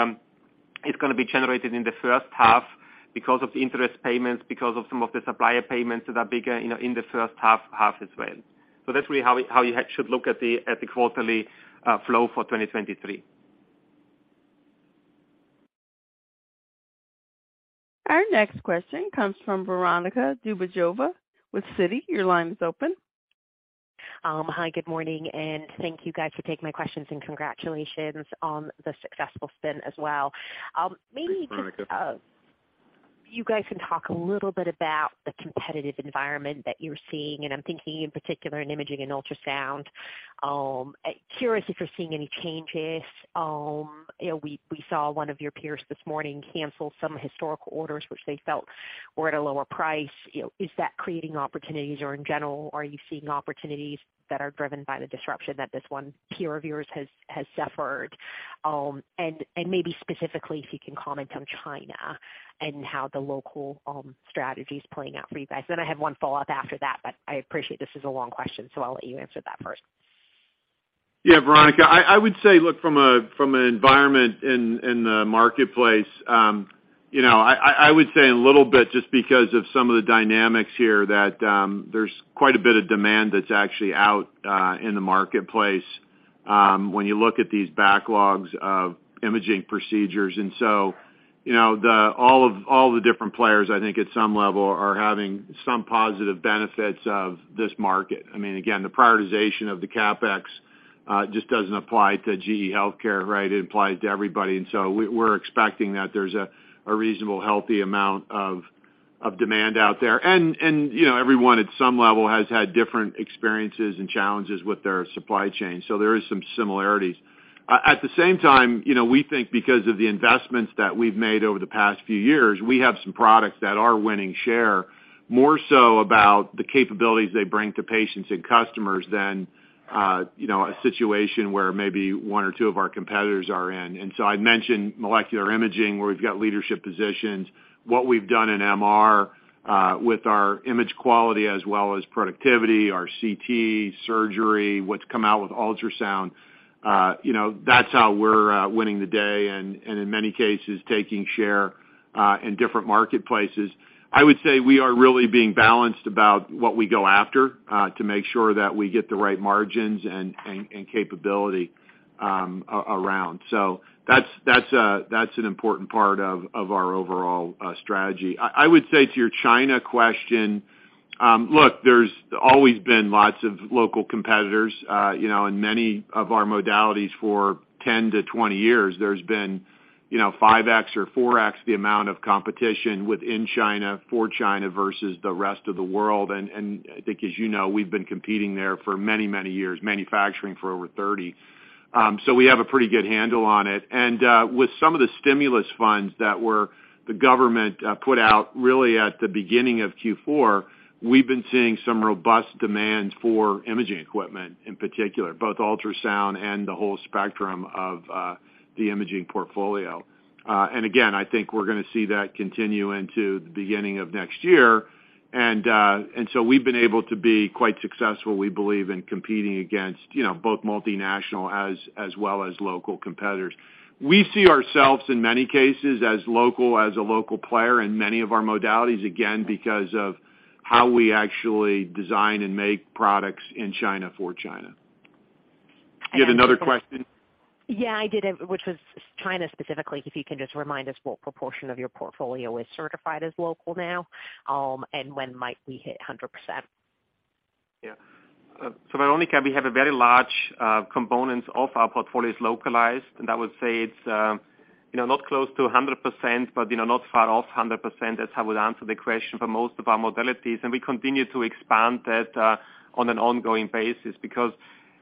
is gonna be generated in the first half because of the interest payments, because of some of the supplier payments that are bigger, you know, in the first half as well. That's really how you should look at the quarterly flow for 2023. Our next question comes from Veronika Dubajova with Citi. Your line is open. Hi, good morning. Thank you guys for taking my questions. Congratulations on the successful spin as well. Thanks, Veronika. you guys can talk a little bit about the competitive environment that you're seeing, and I'm thinking in particular in imaging and ultrasound. Curious if you're seeing any changes. You know, we saw one of your peers this morning cancel some historical orders which they felt were at a lower price. You know, is that creating opportunities, or in general, are you seeing opportunities that are driven by the disruption that this one peer of yours has suffered? And maybe specifically, if you can comment on China and how the local, strategy is playing out for you guys. I have one follow-up after that, but I appreciate this is a long question, so I'll let you answer that first. Yeah, Veronika, look, from an environment in the marketplace, you know, I would say a little bit just because of some of the dynamics here that there's quite a bit of demand that's actually out in the marketplace, when you look at these backlogs of imaging procedures. You know, all the different players, I think, at some level are having some positive benefits of this market. I mean, again, the prioritization of the CapEx just doesn't apply to GE HealthCare, right? It applies to everybody. We're expecting that there's a reasonable healthy amount of demand out there. You know, everyone at some level has had different experiences and challenges with their supply chain. There is some similarities. At the same time, you know, we think because of the investments that we've made over the past few years, we have some products that are winning share, more so about the capabilities they bring to patients and customers than, you know, a situation where maybe one or two of our competitors are in. I mentioned molecular imaging, where we've got leadership positions. What we've done in MR with our image quality as well as productivity, our CT, surgery, what's come out with ultrasound, you know, that's how we're winning the day and, in many cases, taking share in different marketplaces. I would say we are really being balanced about what we go after to make sure that we get the right margins and capability around. That's, that's an important part of our overall strategy. I would say to your China question, look, there's always been lots of local competitors, you know, in many of our modalities for 10-20 years. There's been, you know, 5x or 4x the amount of competition within China, for China versus the rest of the world. I think, as you know, we've been competing there for many, many years, manufacturing for over 30. We have a pretty good handle on it. With some of the stimulus funds that the government put out really at the beginning of Q4, we've been seeing some robust demand for imaging equipment, in particular, both ultrasound and the whole spectrum of the imaging portfolio. Again, I think we're gonna see that continue into the beginning of next year. We've been able to be quite successful, we believe, in competing against, you know, both multinational as well as local competitors. We see ourselves, in many cases, as a local player in many of our modalities, again, because of how we actually design and make products in China for China. You had another question? I did, which was China specifically. If you can just remind us what proportion of your portfolio is certified as local now, and when might we hit 100%? Yeah. Veronika, we have a very large components of our portfolio is localized, I would say it's, you know, not close to 100%, but, you know, not far off 100% as I would answer the question for most of our modalities. We continue to expand that on an ongoing basis because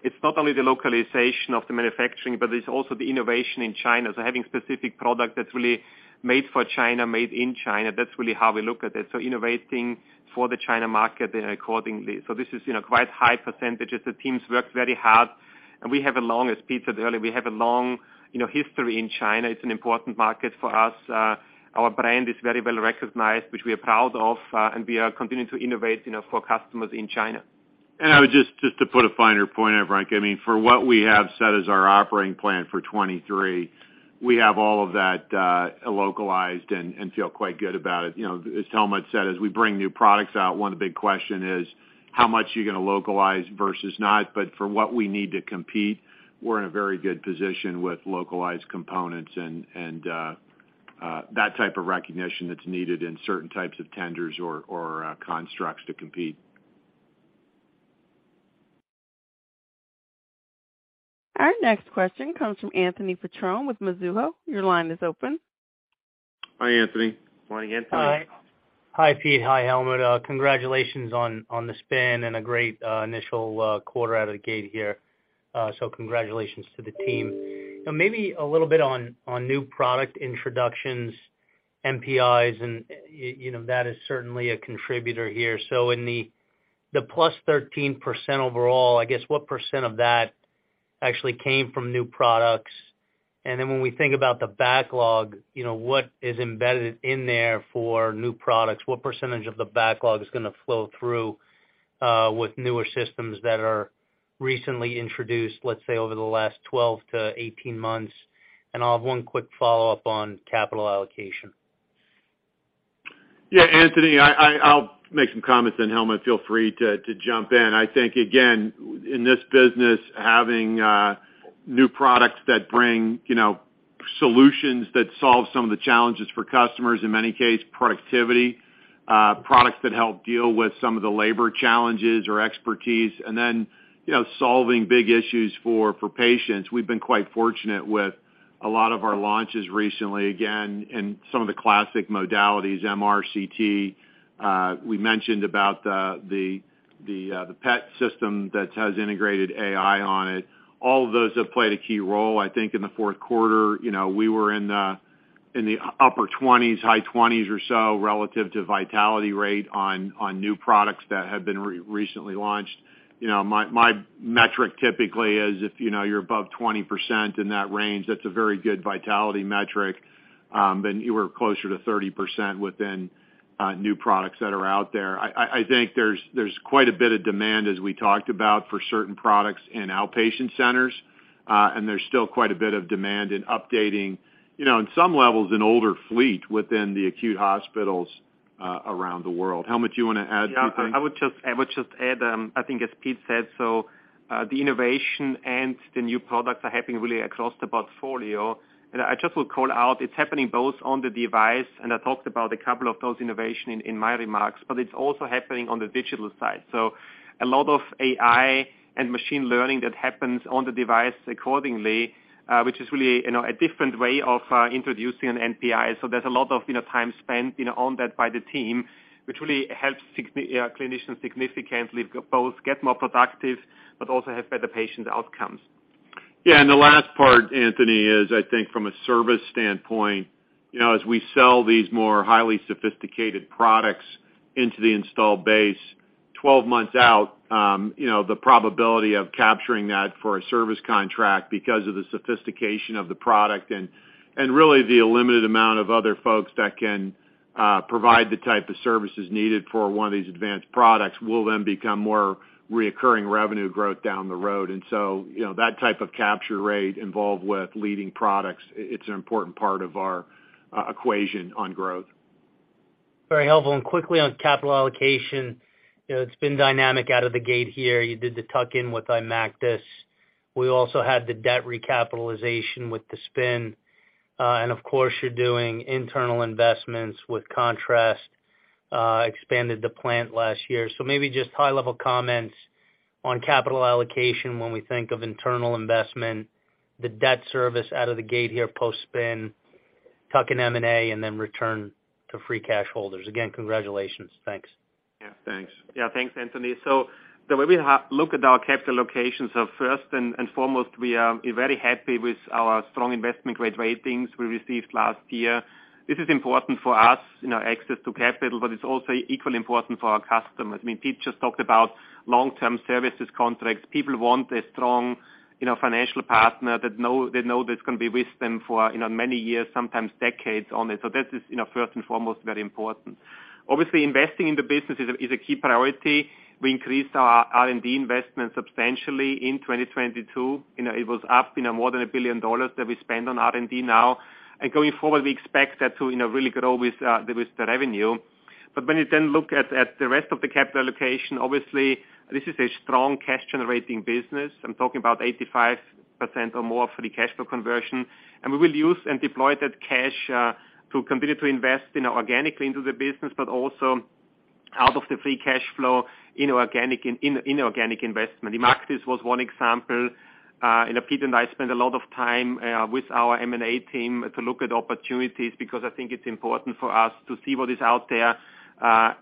it's not only the localization of the manufacturing, but it's also the innovation in China. Having specific product that's really made for China, made in China, that's really how we look at it. Innovating for the China market and accordingly. This is, you know, quite high percentages. The teams work very hard. We have a long, as Pete said earlier, we have a long, you know, history in China. It's an important market for us. Our brand is very well-recognized, which we are proud of, and we are continuing to innovate, you know, for customers in China. I would just to put a finer point, Helmut, I mean, for what we have set as our operating plan for 2023, we have all of that localized and feel quite good about it. You know, as Helmut said, as we bring new products out, one of the big question is, how much are you gonna localize versus not? For what we need to compete, we're in a very good position with localized components and that type of recognition that's needed in certain types of tenders or constructs to compete. Our next question comes from Anthony Petrone with Mizuho. Your line is open. Hi, Anthony. Morning, Anthony. Hi. Hi, Pete. Hi, Helmut. Congratulations on the spin and a great initial quarter out of the gate here. Congratulations to the team. Now maybe a little bit on new product introductions, NPIs, and you know, that is certainly a contributor here. In the plus 13% overall, I guess, what percent of that actually came from new products? When we think about the backlog, you know, what is embedded in there for new products? What percentage of the backlog is gonna flow through with newer systems that are recently introduced, let's say, over the last 12-8 months? I'll have one quick follow-up on capital allocation. Yeah, Anthony, I'll make some comments, and Helmut, feel free to jump in. I think, again, in this business, having new products that bring, you know, solutions that solve some of the challenges for customers, in many case, productivity, products that help deal with some of the labor challenges or expertise, and then, you know, solving big issues for patients, we've been quite fortunate with a lot of our launches recently, again, in some of the classic modalities, MR, CT. We mentioned about the PET system that has integrated AI on it. All of those have played a key role, I think, in the fourth quarter. You know, we were in the upper 20s, high 20s or so relative to vitality rate on new products that have been recently launched. You know, my metric typically is if, you know, you're above 20% in that range, that's a very good vitality metric. You were closer to 30% within new products that are out there. I think there's quite a bit of demand, as we talked about, for certain products in outpatient centers, and there's still quite a bit of demand in updating, you know, on some levels, an older fleet within the acute hospitals. Around the world. Helmut, you wanna add 2 things? I would just add, I think as Pete said, the innovation and the new products are helping really across the portfolio. I just would call out, it's happening both on the device, and I talked about a couple of those innovation in my remarks, but it's also happening on the digital side. A lot of AI and machine learning that happens on the device accordingly, which is really, you know, a different way of introducing an NPI. There's a lot of, you know, time spent, you know, on that by the team, which really helps clinicians significantly both get more productive, but also have better patient outcomes. Yeah. The last part, Anthony, is I think from a service standpoint, you know, as we sell these more highly sophisticated products into the installed base, 12 months out, you know, the probability of capturing that for a service contract because of the sophistication of the product and really the limited amount of other folks that can provide the type of services needed for one of these advanced products will then become more reoccurring revenue growth down the road. You know, that type of capture rate involved with leading products, it's an important part of our equation on growth. Very helpful. quickly on capital allocation, you know, it's been dynamic out of the gate here. You did the tuck-in with IMACTIS. We also had the debt recapitalization with the spin. of course, you're doing internal investments with contrast, expanded the plant last year. maybe just high level comments on capital allocation when we think of internal investment, the debt service out of the gate here post-spin, tuck-in M&A, and then return of free cash flow to shareholders? Again, congratulations. Thanks. Yeah. Thanks. Yeah. Thanks, Anthony. The way we look at our capital allocations are first and foremost, we are very happy with our strong investment-grade ratings we received last year. This is important for us, you know, access to capital, but it's also equally important for our customers. I mean, Pete just talked about long-term services contracts. People want a strong, you know, financial partner that they know that's gonna be with them for, you know, many years, sometimes decades on it. That is, you know, first and foremost very important. Obviously, investing in the business is a key priority. We increased our R&D investment substantially in 2022. You know, it was up, you know, more than $1 billion that we spend on R&D now. Going forward, we expect that to, you know, really grow with the revenue. When you then look at the rest of the capital allocation, obviously, this is a strong cash generating business. I'm talking about 85% or more for the cash flow conversion. We will use and deploy that cash to continue to invest, you know, organically into the business, but also out of the Free Cash Flow, inorganic investment. IMACTIS was one example. Pete and I spent a lot of time with our M&A team to look at opportunities because I think it's important for us to see what is out there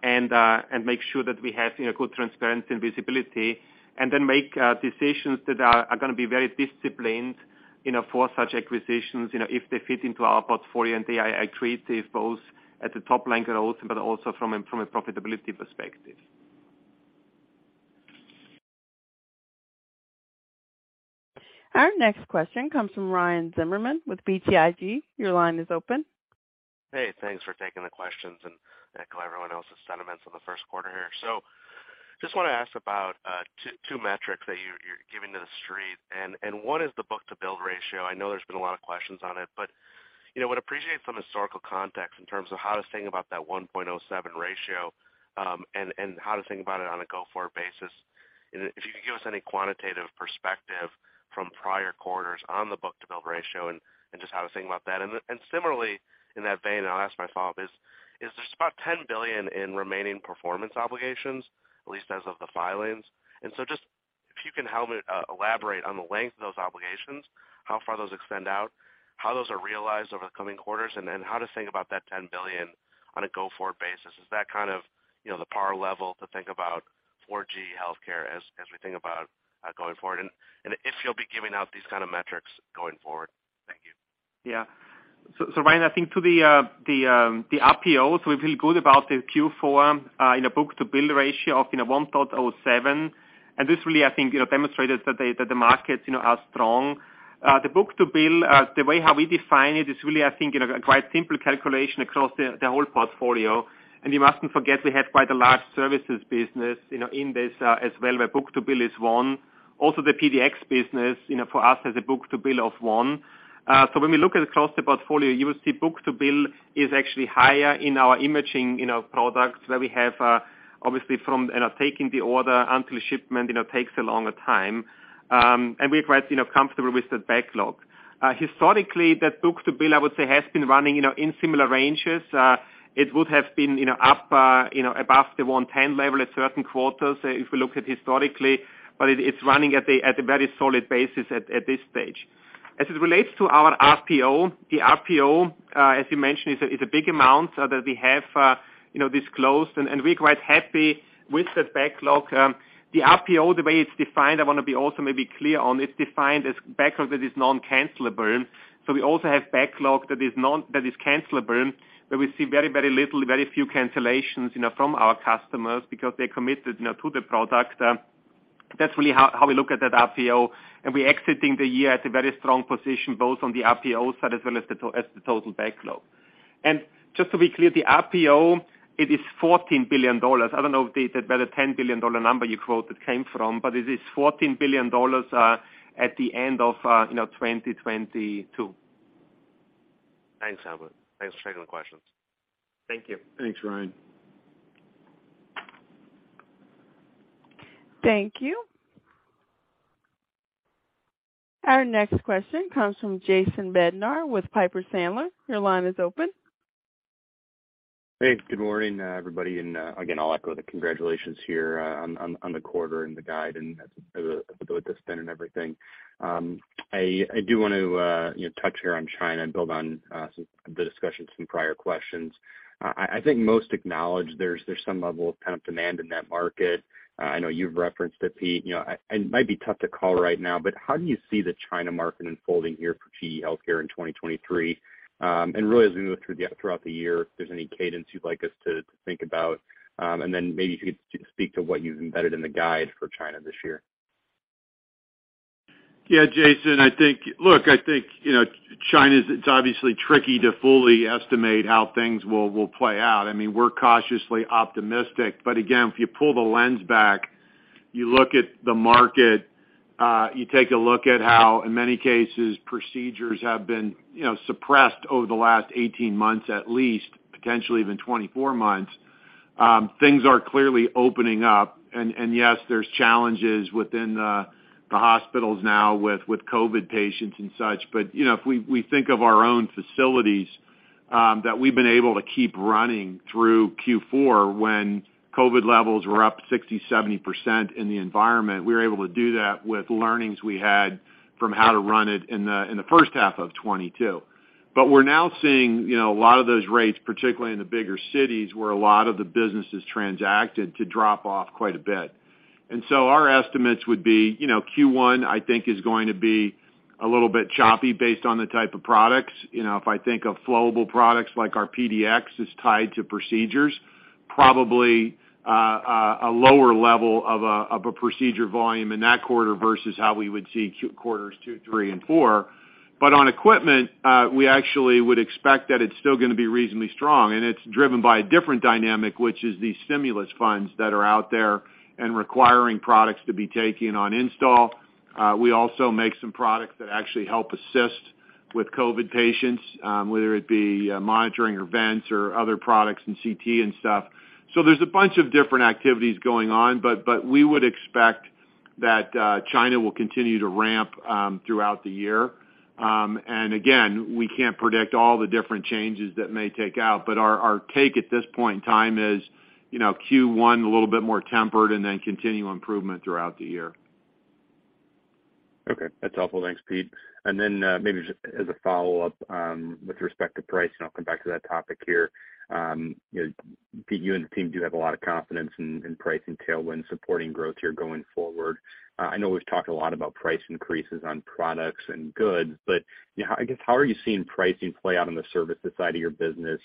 and make sure that we have, you know, good transparency and visibility, and then make decisions that are gonna be very disciplined, you know, for such acquisitions, you know, if they fit into our portfolio and they are accretive both at the top line growth, but also from a profitability perspective. Our next question comes from Ryan Zimmerman with BTIG. Your line is open. Hey, thanks for taking the questions and echo everyone else's sentiments on the first quarter here. Just wanna ask about two metrics that you're giving to The Street. One is the book-to-bill ratio. I know there's been a lot of questions on it, but, you know, would appreciate some historical context in terms of how to think about that 1.07 ratio, and how to think about it on a go-forward basis. If you could give us any quantitative perspective from prior quarters on the book-to-bill ratio and just how to think about that. Similarly, in that vein, I'll ask my follow-up, is there's about $10 billion in remaining performance obligations, at least as of the filings. Just if you can help elaborate on the length of those obligations, how far those extend out, how those are realized over the coming quarters, and how to think about that $10 billion on a go-forward basis. Is that kind of, you know, the par level to think about GE HealthCare as we think about going forward? If you'll be giving out these kind of metrics going forward. Thank you. Yeah. Ryan, I think to the RPOs, we feel good about the Q4 in a book-to-bill ratio of, you know, 1.07. This really, I think, you know, demonstrated that the markets, you know, are strong. The book-to-bill, the way how we define it is really, I think, you know, a quite simple calculation across the whole portfolio. You mustn't forget we have quite a large services business, you know, in this as well, where book-to-bill is 1. The PDX business, you know, for us has a book-to-bill of one. When we look at across the portfolio, you will see book to bill is actually higher in our imaging, you know, products where we have, obviously from, you know, taking the order until shipment, you know, takes a longer time. We're quite, you know, comfortable with the backlog. Historically, that book to bill, I would say, has been running, you know, in similar ranges. It would have been, you know, up, you know, above the 110 level at certain quarters if we look at historically, but it's running at a very solid basis at this stage. As it relates to our RPO, the RPO, as you mentioned, is a big amount that we have, you know, disclosed and we're quite happy with the backlog. The RPO, the way it's defined, I wanna be also maybe clear on, it's defined as backlog that is non-cancelable. We also have backlog that is cancelable, where we see very, very little, very few cancellations, you know, from our customers because they're committed, you know, to the product. That's really how we look at that RPO, and we're exiting the year at a very strong position, both on the RPO side as well as the total backlog. Just to be clear, the RPO, it is $14 billion. I don't know if the $10 billion number you quoted came from, but it is $14 billion at the end of, you know, 2022. Thanks, Helmut. Thanks for taking the questions. Thank you. Thanks, Ryan. Thank you. Our next question comes from Jason Bednar with Piper Sandler. Your line is open. Hey, good morning, everybody. Again, I'll echo the congratulations here on the quarter and the guide and the spend and everything. I do want to, you know, touch here on China and build on some of the discussions from prior questions. I think most acknowledge there's some level of kind of demand in that market. I know you've referenced it, Pete. You know, it might be tough to call right now, but how do you see the China market unfolding here for GE HealthCare in 2023? Really as we move throughout the year, if there's any cadence you'd like us to think about. Then maybe if you could speak to what you've embedded in the guide for China this year. Yeah, Jason, I think, you know, China's, it's obviously tricky to fully estimate how things will play out. I mean, we're cautiously optimistic, again, if you pull the lens back, you look at the market, you take a look at how, in many cases, procedures have been, you know, suppressed over the last 18 months, at least, potentially even 24 months, things are clearly opening up. Yes, there's challenges within the hospitals now with COVID patients and such, you know, if we think of our own facilities, that we've been able to keep running through Q4 when COVID levels were up 60%, 70% in the environment, we were able to do that with learnings we had from how to run it in the first half of 2022. We're now seeing, you know, a lot of those rates, particularly in the bigger cities where a lot of the business is transacted to drop off quite a bit. Our estimates would be, you know, Q1, I think is going to be a little bit choppy based on the type of products. You know, if I think of flowable products like our PDX is tied to procedures, probably a lower level of a procedure volume in that quarter versus how we would see quarters two, three and four. On equipment, we actually would expect that it's still gonna be reasonably strong, and it's driven by a different dynamic, which is these stimulus funds that are out there and requiring products to be taken on install. We also make some products that actually help assist with COVID patients, whether it be monitoring or vents or other products in CT and stuff. There's a bunch of different activities going on, but we would expect that China will continue to ramp throughout the year. Again, we can't predict all the different changes that may take out, but our take at this point in time is, you know, Q1 a little bit more tempered and then continue improvement throughout the year. Okay. That's helpful. Thanks, Pete. Maybe just as a follow-up, with respect to pricing, I'll come back to that topic here. You know, Pete, you and the team do have a lot of confidence in pricing tailwind supporting growth here going forward. I know we've talked a lot about price increases on products and goods, but, you know, I guess, how are you seeing pricing play out on the service side of your business?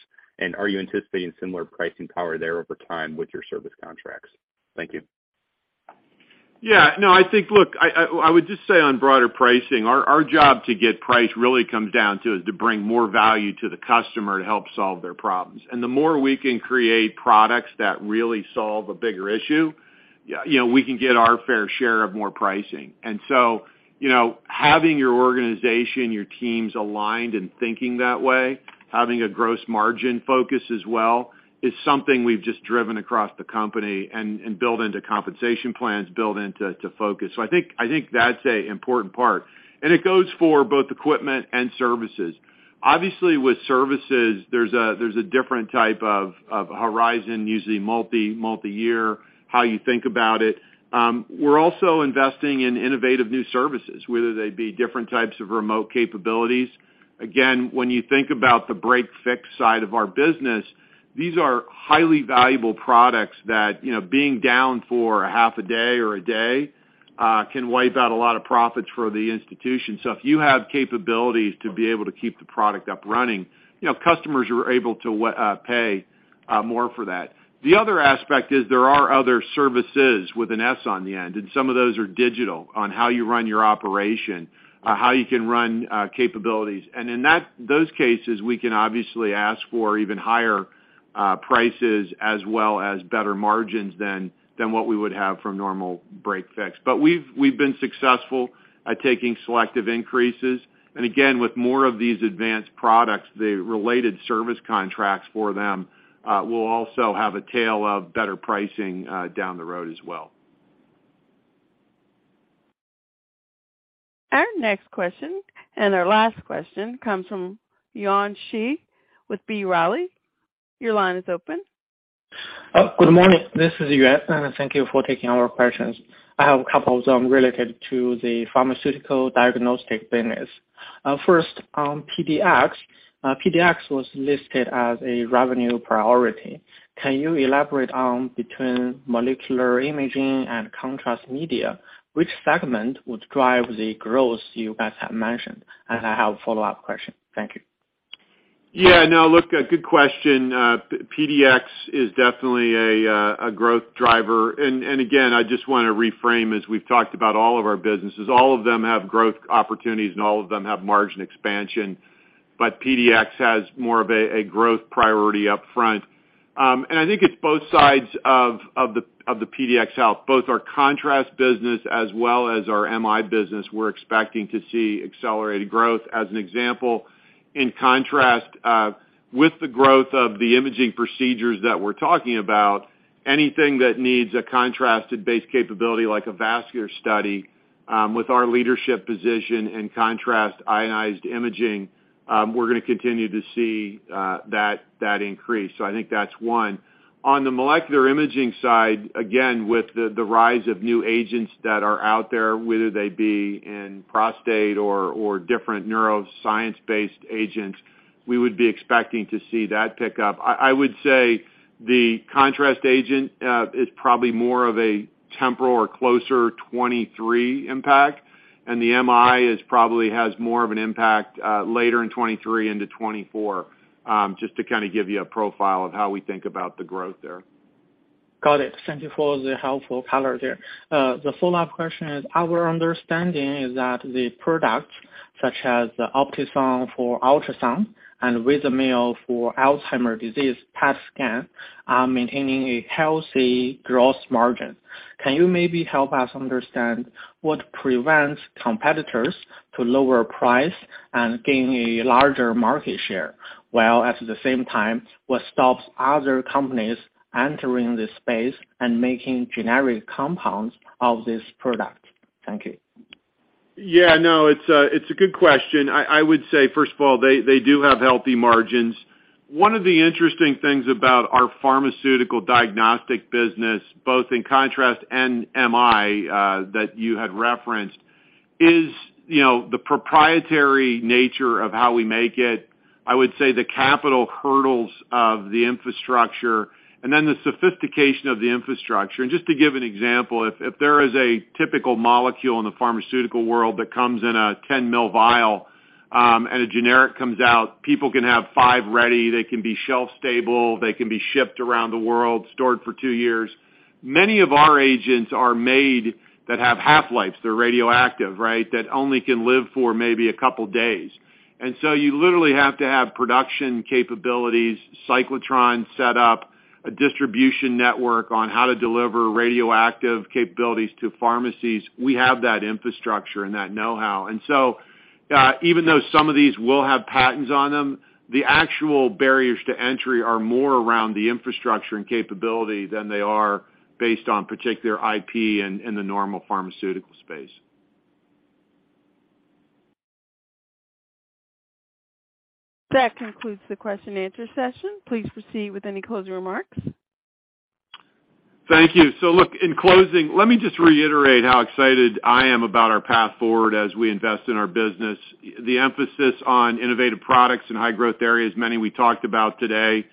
Are you anticipating similar pricing power there over time with your service contracts? Thank you. Yeah. No, I think, look, I would just say on broader pricing, our job to get price really comes down to is to bring more value to the customer to help solve their problems. The more we can create products that really solve a bigger issue, you know, we can get our fair share of more pricing. You know, having your organization, your teams aligned and thinking that way, having a gross margin focus as well, is something we've just driven across the company and build into compensation plans, build into focus. I think that's a important part. It goes for both equipment and services. Obviously, with services, there's a different type of horizon, usually multi-year, how you think about it. We're also investing in innovative new services, whether they be different types of remote capabilities. Again, when you think about the break/fix side of our business, these are highly valuable products that, you know, being down for a half a day or a day, can wipe out a lot of profits for the institution. If you have capabilities to be able to keep the product up running, you know, customers are able to pay more for that. The other aspect is there are other services with an S on the end, and some of those are digital on how you run your operation, how you can run capabilities. In those cases, we can obviously ask for even higher prices as well as better margins than what we would have from normal break/fix. We've been successful at taking selective increases. Again, with more of these advanced products, the related service contracts for them, will also have a tail of better pricing, down the road as well. Our next question, and our last question, comes from Yuan Zhi with B. Riley. Your line is open. Good morning. This is Yuan, and thank you for taking all our questions. I have a couple of them related to the pharmaceutical diagnostic business. First, on PDX. PDX was listed as a revenue priority. Can you elaborate on between molecular imaging and contrast media, which segment would drive the growth you guys have mentioned? I have a follow-up question. Thank you. Yeah. No. Look, a good question. PDX is definitely a growth driver. Again, I just wanna reframe, as we've talked about all of our businesses, all of them have growth opportunities and all of them have margin expansion, but PDX has more of a growth priority up front. I think it's both sides of the PDX Health, both our contrast business as well as our MI business, we're expecting to see accelerated growth. As an example, in contrast, with the growth of the imaging procedures that we're talking about, anything that needs a contrast-based capability like a vascular study, with our leadership position in contrast ionized imaging, we're gonna continue to see that increase. I think that's one. On the molecular imaging side, again, with the rise of new agents that are out there, whether they be in prostate or different neuroscience-based agents, we would be expecting to see that pick up. I would say the contrast agent is probably more of a temporal or closer 2023 impact, and the MI is probably has more of an impact later in 2023 into 2024, just to kinda give you a profile of how we think about the growth there. Got it. Thank you for the helpful color there. The follow-up question is, our understanding is that the products such as the OPTISON for ultrasound and Vizamyl for Alzheimer's disease PET scan are maintaining a healthy gross margin. Can you maybe help us understand what prevents competitors to lower price and gain a larger market share, while at the same time what stops other companies entering this space and making generic compounds of this product? Thank you. No, it's a good question. I would say, first of all, they do have healthy margins. One of the interesting things about our pharmaceutical diagnostic business, both in contrast and MI that you had referenced is, you know, the proprietary nature of how we make it. I would say the capital hurdles of the infrastructure, and then the sophistication of the infrastructure. Just to give an example, if there is a typical molecule in the pharmaceutical world that comes in a 10 mL vial and a generic comes out, people can have five ready. They can be shelf stable. They can be shipped around the world, stored for two years. Many of our agents are made that have half-lives. They're radioactive, right? That only can live for maybe a couple days. You literally have to have production capabilities, cyclotron set up, a distribution network on how to deliver radioactive capabilities to pharmacies. We have that infrastructure and that know-how. Even though some of these will have patents on them, the actual barriers to entry are more around the infrastructure and capability than they are based on particular IP in the normal pharmaceutical space. That concludes the question and answer session. Please proceed with any closing remarks. Thank you. Look, in closing, let me just reiterate how excited I am about our path forward as we invest in our business. The emphasis on innovative products in high growth areas, many we talked about today.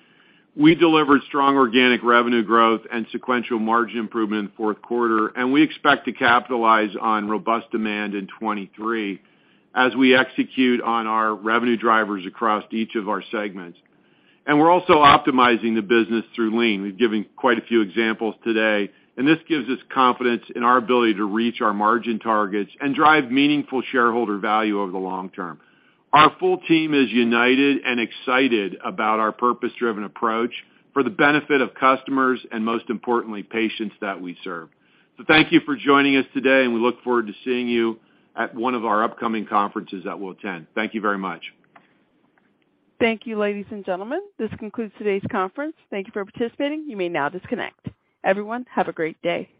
We delivered strong organic revenue growth and sequential margin improvement in the fourth quarter, and we expect to capitalize on robust demand in 2023 as we execute on our revenue drivers across each of our segments. We're also optimizing the business through lean. We've given quite a few examples today, and this gives us confidence in our ability to reach our margin targets and drive meaningful shareholder value over the long term. Our full team is united and excited about our purpose-driven approach for the benefit of customers and most importantly, patients that we serve. Thank you for joining us today, and we look forward to seeing you at one of our upcoming conferences that we'll attend. Thank you very much. Thank you, ladies and gentlemen. This concludes today's conference. Thank you for participating. You may now disconnect. Everyone, have a great day.